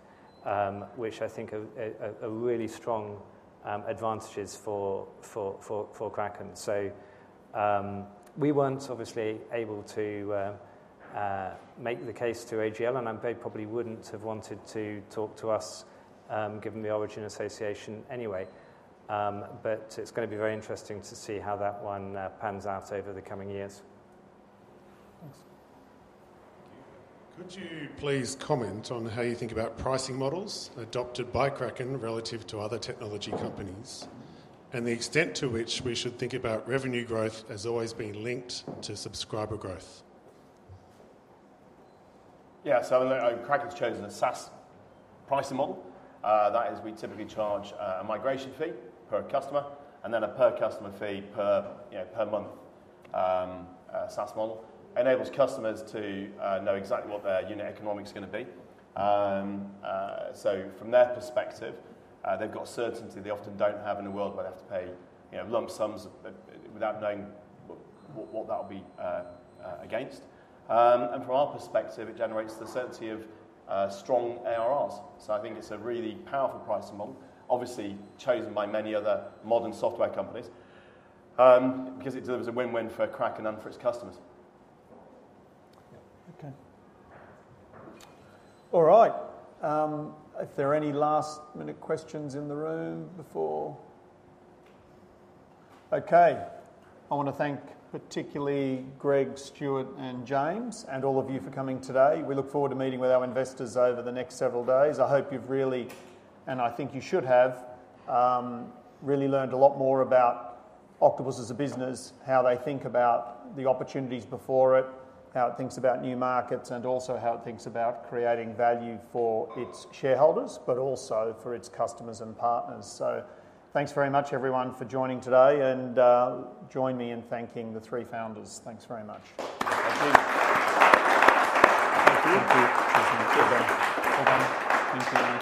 which I think are really strong advantages for Kraken. So, we weren't obviously able to make the case to AGL, and they probably wouldn't have wanted to talk to us, given the Origin association anyway. But it's gonna be very interesting to see how that one pans out over the coming years. Thanks. Could you please comment on how you think about pricing models adopted by Kraken relative to other technology companies, and the extent to which we should think about revenue growth as always being linked to subscriber growth? Yeah, so, Kraken's chosen a SaaS pricing model. That is, we typically charge, a migration fee per customer, and then a per customer fee per, you know, per month. SaaS model enables customers to, know exactly what their unit economics are gonna be. So from their perspective, they've got certainty they often don't have in a world where they have to pay, you know, lump sums, without knowing what, what that'll be, against. And from our perspective, it generates the certainty of, strong ARRs. So I think it's a really powerful pricing model, obviously chosen by many other modern software companies, 'cause it serves as a win-win for Kraken and for its customers. Okay. All right. If there are any last-minute questions in the room before... Okay, I wanna thank particularly Greg, Stuart, and James, and all of you for coming today. We look forward to meeting with our investors over the next several days. I hope you've really, and I think you should have, really learned a lot more about Octopus as a business, how they think about the opportunities before it, how it thinks about new markets, and also how it thinks about creating value for its shareholders, but also for its customers and partners. So, thanks very much, everyone, for joining today, and join me in thanking the three founders. Thanks very much. Thank you. Thank you. Thank you. Well done. Thank you.